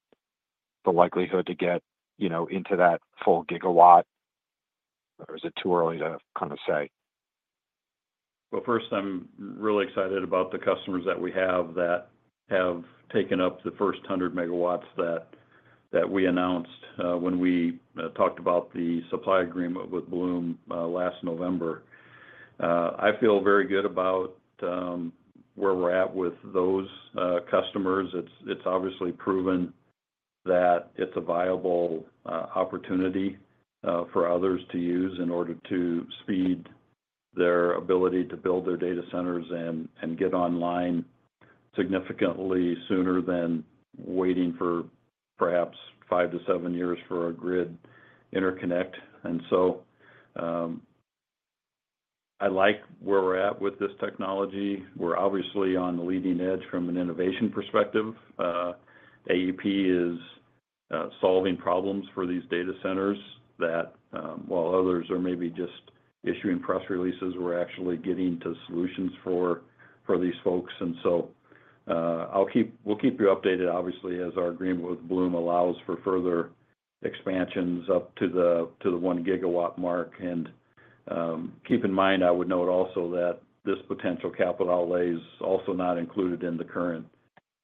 the likelihood to get, you know, into that full gigawatt, or is it too early to kind of say? Well, first, I'm really excited about the customers that we have that have taken up the first hundred megawatts that we announced when we talked about the supply agreement with Bloom last November. I feel very good about where we're at with those customers. It's obviously proven that it's a viable opportunity for others to use in order to speed their ability to build their data centers and get online significantly sooner than waiting for perhaps five to seven years for a grid interconnect. And so I like where we're at with this technology. We're obviously on the leading edge from an innovation perspective. AEP is solving problems for these data centers that while others are maybe just issuing press releases, we're actually getting to solutions for these folks. And so we'll keep you updated, obviously, as our agreement with Bloom allows for further expansions up to the 1 GW mark. And keep in mind, I would note also that this potential capital outlay is also not included in the current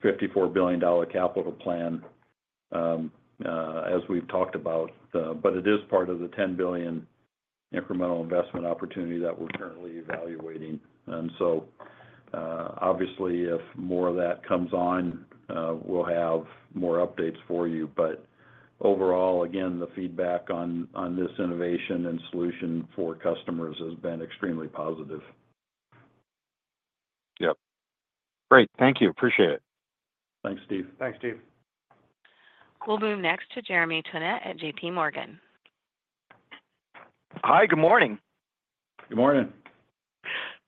$54 billion capital plan as we've talked about, but it is part of the $10 billion incremental investment opportunity that we're currently evaluating. And so obviously if more of that comes on, we'll have more updates for you. But overall, again, the feedback on this innovation and solution for customers has been extremely positive. Yep. Great. Thank you. Appreciate it. Thanks, Steve. Thanks, Steve. We'll move next to Jeremy Tonet at JPMorgan. Hi, good morning. Good morning.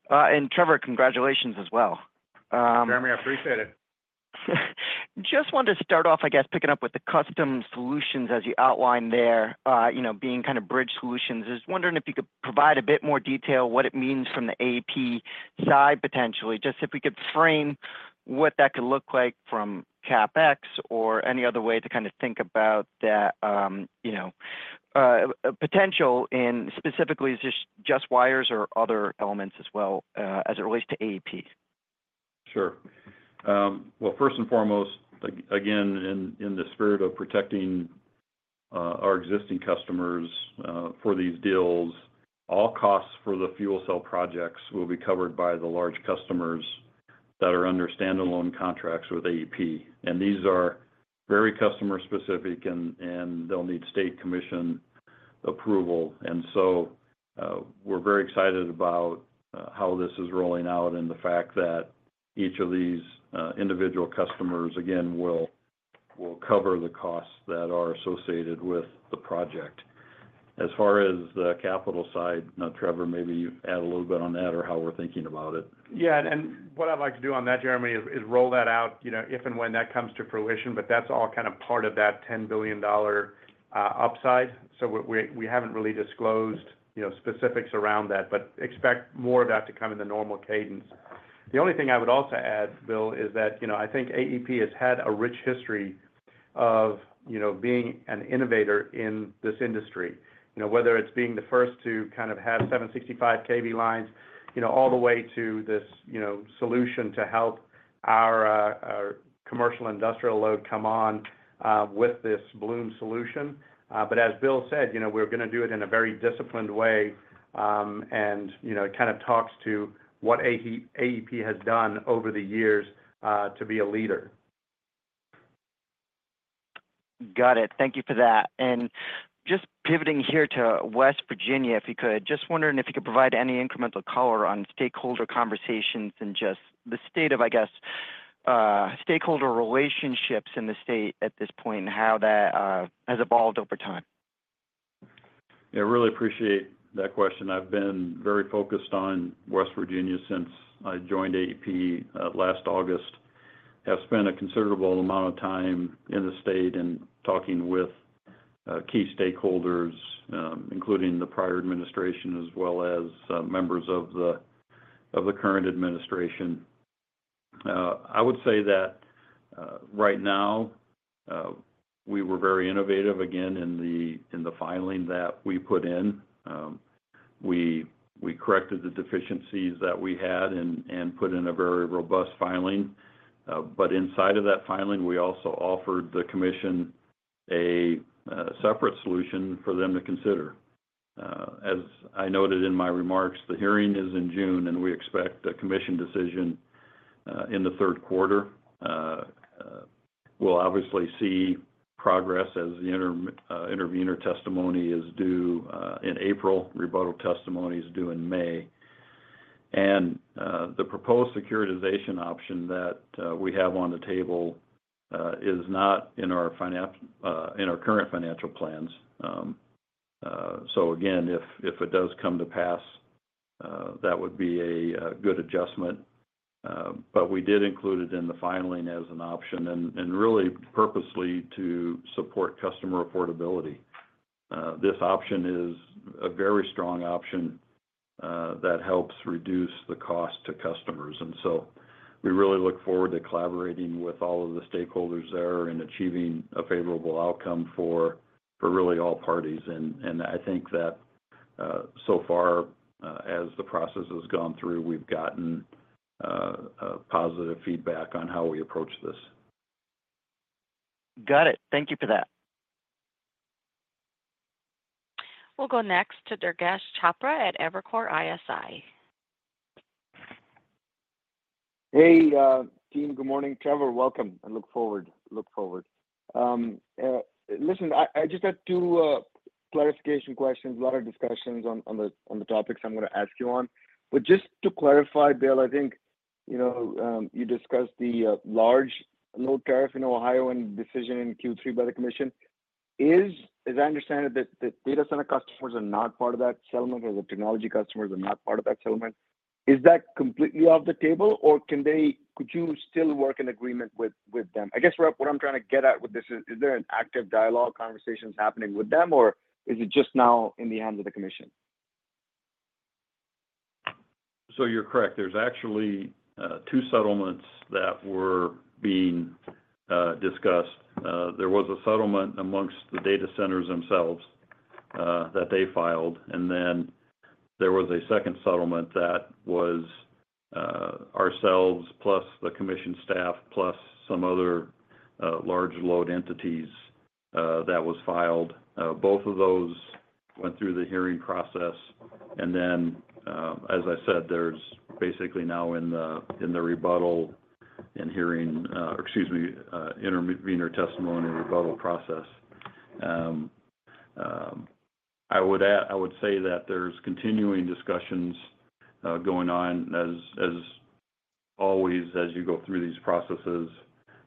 And Trevor, congratulations as well, Jeremy. I appreciate it. Just wanted to start off, I guess, picking up with the custom solutions as you outlined there, you know, being kind of bridge solutions, I was wondering if you could provide a bit more detail what it means from the AEP side potentially, just if we could frame what that could look like from CapEx or any other way to kind of think about that, you know, potential? And specifically, is this just wires or other elements as well as it relates to AEP? Sure. Well, first and foremost, again, in the spirit of protecting our existing customers for these deals, all costs for the fuel cell projects will be covered by the large customers that are under standalone contracts with AEP. And these are very customer specific and they'll need state commission approval. And so we're very excited about how this is rolling out and the fact that each of these individual customers, again, will cover the costs that are associated with the project. As far as the capital side, Trevor, maybe add a little bit on that or how we're thinking about it. Yeah, and what I'd like to do on that, Jeremy, is roll that out, you know, if and when that comes to fruition. But that's all kind of part of that $10 billion upside. So we haven't really disclosed, you know, specifics around that, but expect more of that to come in the normal cadence. The only thing I would also add, Bill, is that, you know, I think AEP has had a rich history of being an innovator in this industry, whether it's being the first to kind of have 765 kV lines all the way to this solution to help our commercial industrial load come on with this Bloom solution. But as Bill said, we're going to do it in a very disciplined way and it kind of talks to what AEP has done over the years to be a leader. Got it. Thank you for that and just pivoting here to West Virginia, if you could. Just wondering if you could provide any incremental color on stakeholder conversations and just the state of, I guess, stakeholder relationships in the state at this point and how that has evolved over time. I really appreciate that question. I've been very focused on West Virginia since I joined AEP last August, have spent a considerable amount of time in the state and talking with key stakeholders, including the prior administration as well as members of the current administration. I would say that right now we were very innovative. Again in the filing that we put in, we corrected the deficiencies that we had and put in a very robust filing but inside of that filing, we also offered the commission a separate solution for them to consider. As I noted in my remarks, the hearing is in June and we expect a commission decision in the third quarter. We'll obviously see progress as the interim intervenor testimony is due in April, rebuttal testimony is due in May, and the proposed securitization option that we have on the table is not in our finance, in our current financial plans. So again, if it does come to pass, that would be a good adjustment. But we did include it in the filing as an option and really purposely to support customer affordability. This option is a very strong option that helps reduce the cost to customers, and so we really look forward to collaborating with all of the stakeholders there and achieving a favorable outcome for really all parties. I think that so far as the process has gone through, we've gotten positive feedback on how we approach this. Got it. Thank you for that. We'll go next to Durgesh Chopra at Evercore ISI. Hey team. Good morning, Trevor. Welcome. Look forward. Listen, I just had two clarification questions. A lot of discussions on the topics I'm going to ask you on. But just to clarify, Bill, I think, you know, you discussed the large load tariff in Ohio and decision in Q3 by the Commission is, as I understand it, that data center customers are not part of that settlement or the technology customers are not part of that settlement. Is that completely off the table, or can they, could you still work in agreement with them? I guess what I'm trying to get at with this, is there an active dialogue, conversations happening with them or is it just now in the hands of the commission? So you're correct. There's actually two settlements that were being discussed. There was a settlement amongst the data centers themselves that they filed, and then there was a second settlement that was ourselves, plus the commission staff, plus some other large load entities that was filed. Both of those went through the hearing process. And then, as I said, there's basically now in the, in the rebuttal and hearing. Excuse me, intervenor testimony, rebuttal process. I would add. I would say that there's continuing discussions going on as always as you go through these processes.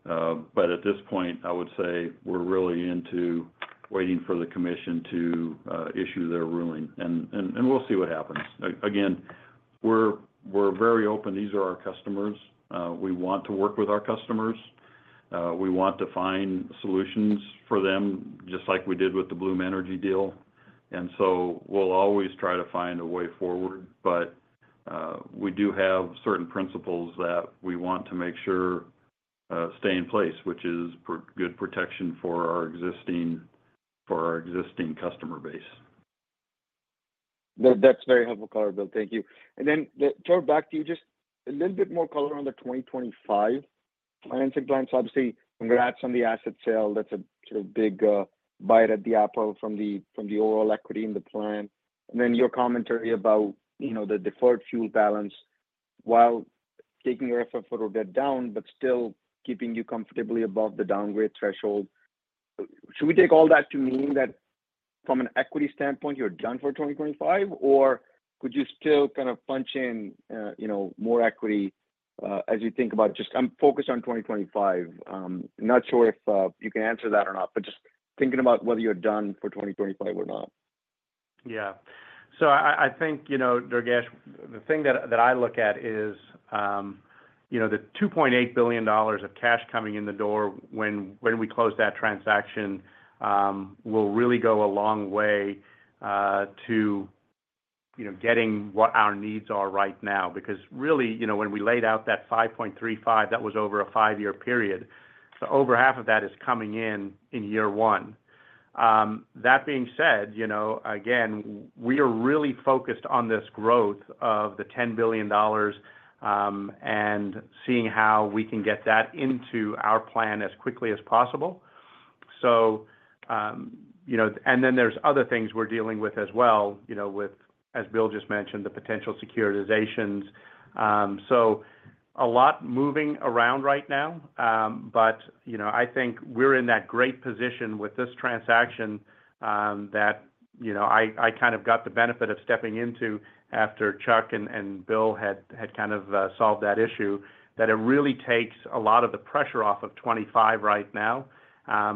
But at this point I would say we're really into waiting for the Commission to issue their ruling, and we'll see what happens. Again, we're very open. These are our customers. We want to work with our customers. We want to find solutions for them just like we did with the Bloom Energy deal. We'll always try to find a way forward. We do have certain principles that we want to make sure stay in place, which is good protection for our existing customer base. That's very helpful color, Bill. Thank you. And then turn back to you just a little bit more color on the 2025 financing plan. So obviously congrats on the asset sale. That's a sort of big bite at the apple from the overall equity in the plan. And then your commentary about, you know, the deferred fuel balance while taking your FFO to debt down but still keeping you comfortably above the downgrade threshold. Should we take all that to mean that from an equity standpoint you're done for 2025 or could you still kind of punch in, you know, more equity as you think about just, I'm focused on 2025. Not sure if you can answer that or not, but just thinking about whether you're done for 2025 or not? Yeah. So I think, you know, Durgesh, the thing that I look at is, you know, the $2.8 billion of cash coming in the door when we close that transaction will really go a long way to, you know, getting what our needs are right now because really, you know, when we laid out that 5.35, that was over a five year period. So over half of that is coming in in year one. That being said, you know, again, we are really focused on this growth of the $10 billion and seeing how we can get that into our plan as quickly as possible. So, you know, and then there's other things we're dealing with as well, you know, with, as Bill just mentioned, the potential securitizations. So a lot moving around right now. But you know, I think we're in that great position with this transaction that, you know, I kind of got the benefit of stepping into after Chuck and Bill had kind of solved that issue that it really takes a lot of the pressure off of 25 right now.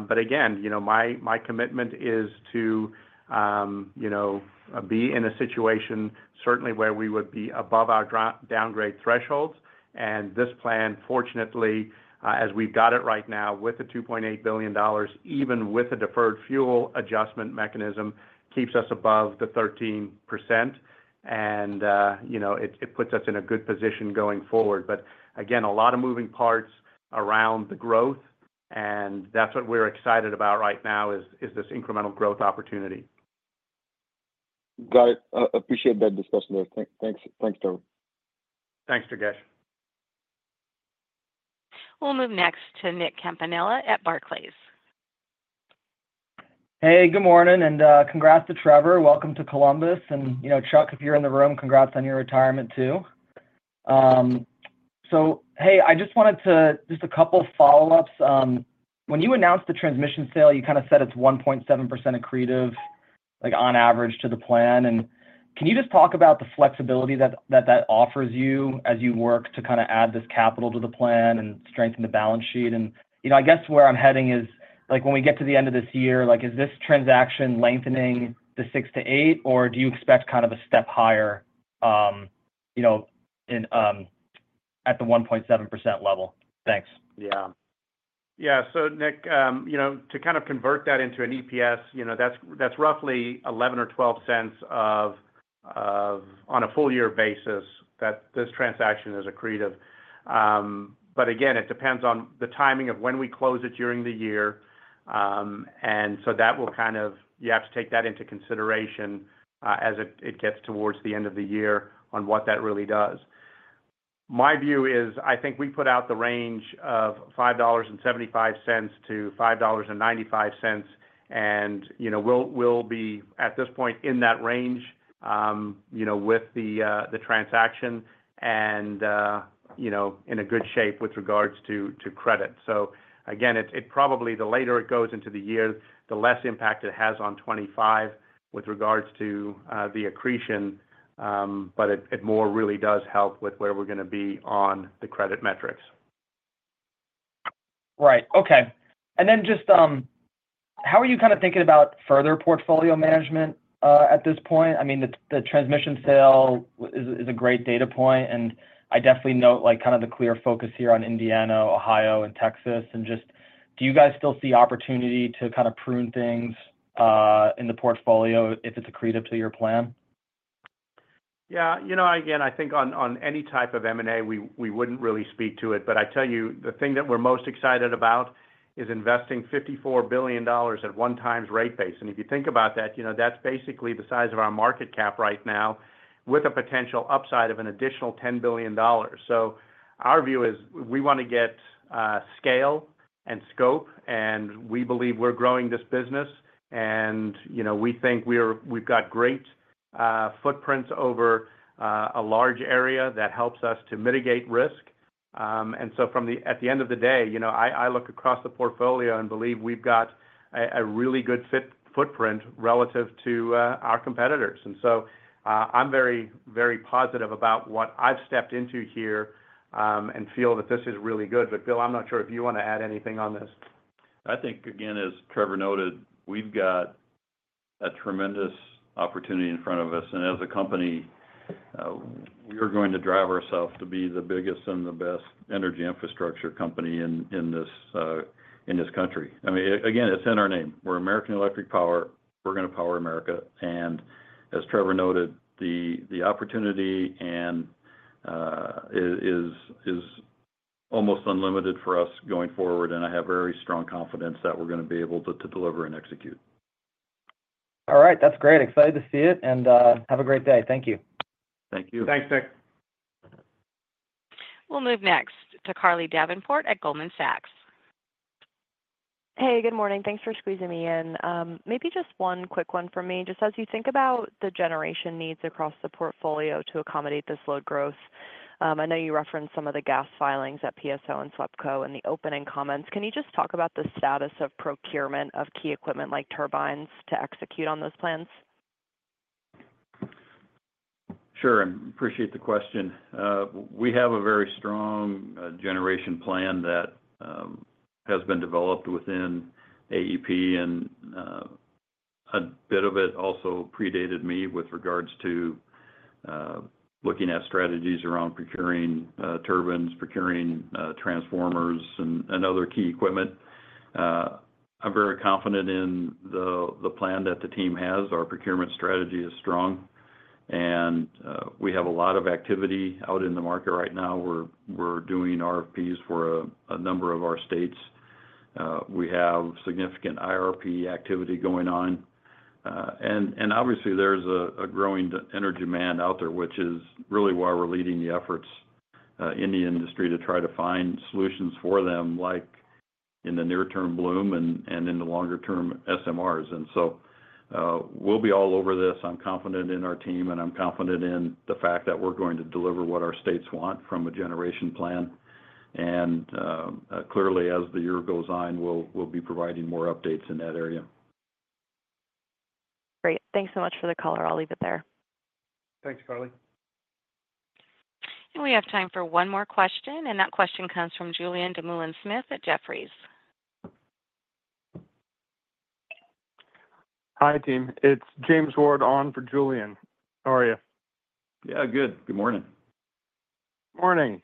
But again, you know, my commitment is to, you know, be in a situation certainly where we would be above our downgrade thresholds. And this plan, fortunately, as we've got it right now with the $2.8 billion, even with a deferred fuel adjustment mechanism, keeps us above the 13%. And you know, it puts us in a good position going forward. But again, a lot of moving parts around the growth and that's what we're excited about right now is this incremental growth opportunity. Got it. Appreciate that discussion there. Thanks. Thanks, Darcy. Thanks, Durgesh. We'll move next to Nick Campanella at Barclays. Hey, good morning, and congrats to Trevor. Welcome to Columbus. And you know, Chuck, if you're in the room, congrats on your retirement too. So hey, I just wanted to just a couple follow-ups. When you announced the transmission sale, you kind of said it's 1.7% accretive, like on average to the plan. Can you just talk about the flexibility that offers you as you work to kind of add this capital to the plan and strengthen the balance sheet? I guess where I'm heading is like when we get to the end of this year, is this transaction lengthening the 6-8 or do you expect kind of a step higher at the 1.7% level? Thanks. Yeah, yeah. So Nick, to kind of convert that into an EPS that's roughly $0.11 or $0.12 on a full year basis that this transaction is accretive. But again, it depends on the timing of when we close it during the year. And so that will kind of, you have to take that into consideration as it gets towards the end of the year on what that really does. My view is I think we put out the range of $5.75-$5.95 and you know, we'll be at this point in that range, you know, with the transaction and you know, in a good shape with regards to credit. So again, the later it goes into the year, the less impact it has on 2025 with regards to the accretion, but it more really does help with where we're going to be on the credit metrics. Right, okay. And then just how are you kind. Of thinking about further portfolio management at this point? I mean, the transmission sale is a. Great data point and I definitely note. Like kind of the clear focus here on Indiana, Ohio and Texas. Just do you guys still see opportunity to kind of prune things in the portfolio if it's accretive to your plan? Yeah, you know, again, I think on any type of M&A, we wouldn't really speak to it. But I tell you, the thing that we're most excited about is investing $54 billion at one times rate base. And if you think about that, you know, that's basically the size of our market cap right now with a potential upside of an additional $10 billion. So our view is we want to get scale and scope and we believe we're growing this business and you know, we think we are. We've got great footprints over a large area that helps us to mitigate risk. And so, at the end of the day, you know, I look across the portfolio and believe we've got a really good footprint relative to our competitors. And so I'm very, very positive about what I've stepped into here and feel that this is really good. But Bill, I'm not sure if you want to add anything on this. I think again, as Trevor noted, we've got a tremendous opportunity in front of us. And as a company, we are going to drive ourselves to be the biggest and the best energy infrastructure company in this country. I mean, again, it's in our name. We're American Electric Power. We're going to power America. And as Trevor noted, the opportunity is almost unlimited for us going forward. And I have very strong confidence that we're going to be able to deliver and execute. All right, that's great. Excited to see it and have a great day. Thank you. Thank you. Thanks, Nick. We'll move next to Carly Davenport at Goldman Sachs. Hey, good morning. Thanks for squeezing me in. Maybe just one quick one for me. Just as you think about the generation needs across the portfolio to accommodate this load growth, I know you referenced some of the gas filings at PSO and SWEPCO in the opening comments. Can you just talk about the status of procurement of key equipment like turbines to execute on those plans? Sure. I appreciate the question. We have a very strong generation plan that has been developed within AEP and a bit of it also predated me with regards to looking at strategies around procuring turbines, procuring transformers and other key equipment. I'm very confident in the plan that the team has. Our procurement strategy is strong and we have a lot of activity out in the market. Right now we're doing RFPs for a number of our states. We have significant IRP activity going on. And obviously there's a growing energy demand out there, which is really why we're leading the efforts in the industry to try to find solutions for them, like in the near term, Bloom and in the longer term, SMRs. And so we'll be all over this. I'm confident in our team and I'm confident in the fact that we're going to deliver what our states want from a generation plan. And clearly, as the year goes on, we'll be providing more updates in that area. Great. Thanks so much for the color. I'll leave it there. Thanks, Carly. We have time for one more question, and that question comes from Julien Dumoulin-Smith at Jefferies. Hi, team. It's James Ward on for Julien. How are you? Yeah, good. Good morning. Morning.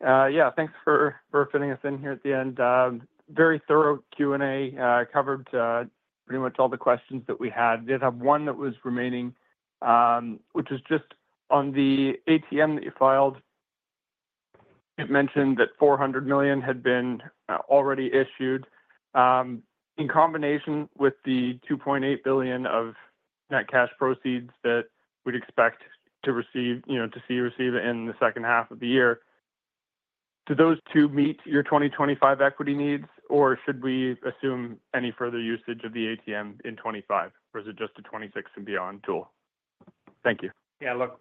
Yeah, thanks for fitting us in here at the end. Very thorough. Q&A covered pretty much all the questions that we had. Did have one that was remaining, which is just on the ATM that you filed. It mentioned that $400 million had been already issued in combination with the $2.8 billion of net cash proceeds that we'd expect to receive, you know, to receive in the second half of the year. Do those two meet your 2025 equity needs, or should we assume any further usage of the ATM in 2025, or is it just a 2026 and beyond tool? Thank you. Yeah, look,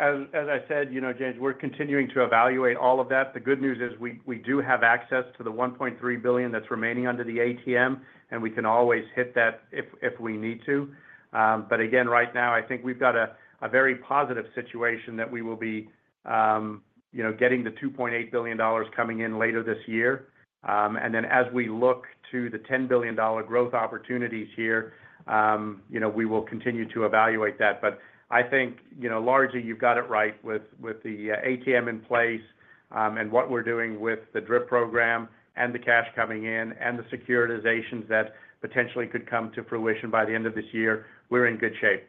as I said, you know, James, we're continuing to evaluate all of that. The good news is we do have access to the $1.3 billion that's remaining under the ATM. And we can always hit that if we need to. But again, right now I think we've got a very positive situation that we will be, you know, getting the $2.8 billion coming in later this year. And then as we look to the $10 billion growth opportunities here, you know, we will continue to evaluate that, but I think, you know, largely you've got it right with, with the ATM in place and what we're doing with the DRIP program and the cash coming in and the securitizations that potentially could come to fruition by the end of this year, we're in good shape.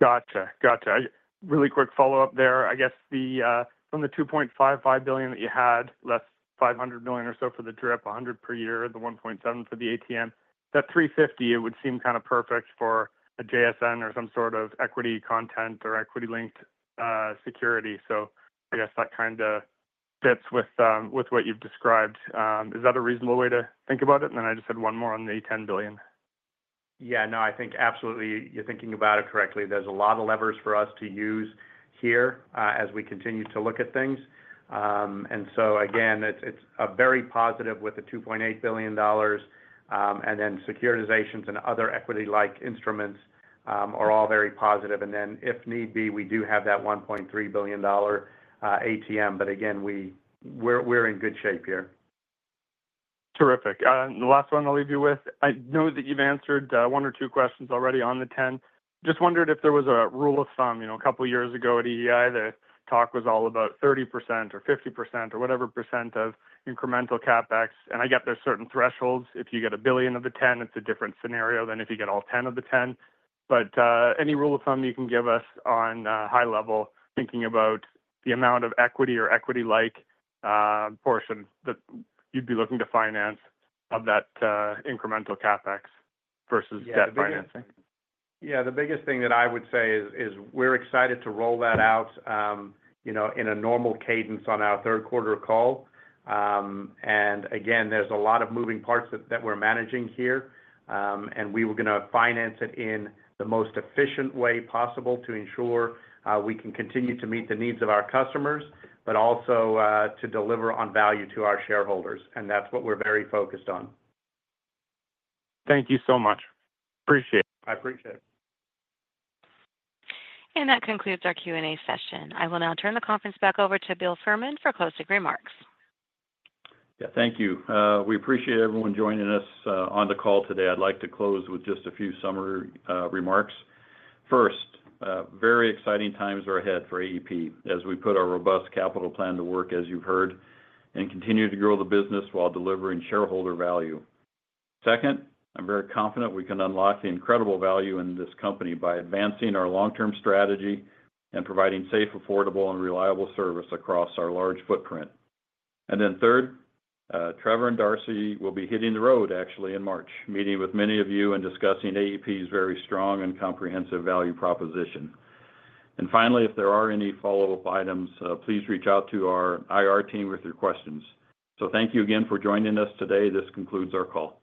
Gotcha, Gotcha. Really quick follow up there. I guess from the $2.55 billion that you had less $500 million or so for the DRIP $100 per year, the $1.7 for the ATM that $350, it would seem kind of perfect for a JSN or some sort of equity content or equity linked security. So I guess that kind of fits with what you've described. Is that a reasonable way to think about it? And then I just had one more on the $10 billion. Yeah, no, I think absolutely you're thinking about it correctly. There's a lot of levers for us to use here as we continue to look at things. And so again it's a very positive with the $2.8 billion. And then securitizations and other equity-like instruments are all very positive. And then if need be we do have that $1.3 billion ATM, but again we're in good shape here. Terrific. The last one I'll leave you with. I know that you've answered one or two questions already on the 10. Just wondered if there was a rule of thumb, you know, a couple years ago at EEI the talk was all about 30% or 50% or whatever % of incremental CapEx. And I get there's certain thresholds. If you get a billion of the 10, it's a different scenario than if you get all 10 of the 10. But any rule of thumb you can give us on high level thinking about the amount of equity or equity like portion that you'd be looking to finance of that incremental CapEx versus debt financing? Yeah, the biggest thing that I would say is we're excited to roll that out, you know, in a normal cadence on our third quarter call. And again there's a lot of moving parts that we're managing here and we were going to finance it in the most efficient way possible to ensure we can continue to meet the needs of our customers, but also to deliver on value to our shareholders. And that's what we're very focused on. Thank you so much. Appreciate it. I appreciate it. That concludes our Q&A session. I will now turn the conference back over to Bill Fehrman for closing remarks. Thank you. We appreciate everyone joining us on the call today. I'd like to close with just a few summary remarks. First, very exciting times are ahead for AEP as we put our robust capital plan to work, as you've heard, and continue to grow the business while delivering shareholder value. Second, I'm very confident we can unlock the incredible value in this company by advancing our long term strategy and providing safe, affordable and reliable service across our large footprint. Then third, Trevor and Darcy will be hitting the road actually in March, meeting with many of you and discussing AEP's very strong and comprehensive value proposition. And finally, if there are any follow up items, please reach out to our IR team with your questions. So thank you again for joining us today. This concludes our call.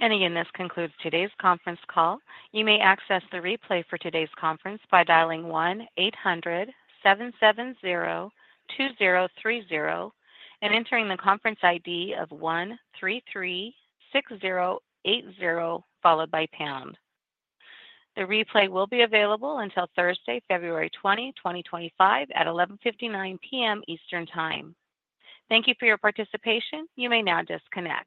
Again, this concludes today's conference call. You may access the replay for today's conference by dialing one eight zero zero seven seven zero two zero three zero and entering the conference ID of one three three six zero eight zero followed by pound. The replay will be available until Thursday, February 20, 2025 at 11:59 P.M. Eastern Time. Thank you for your participation. You may now disconnect.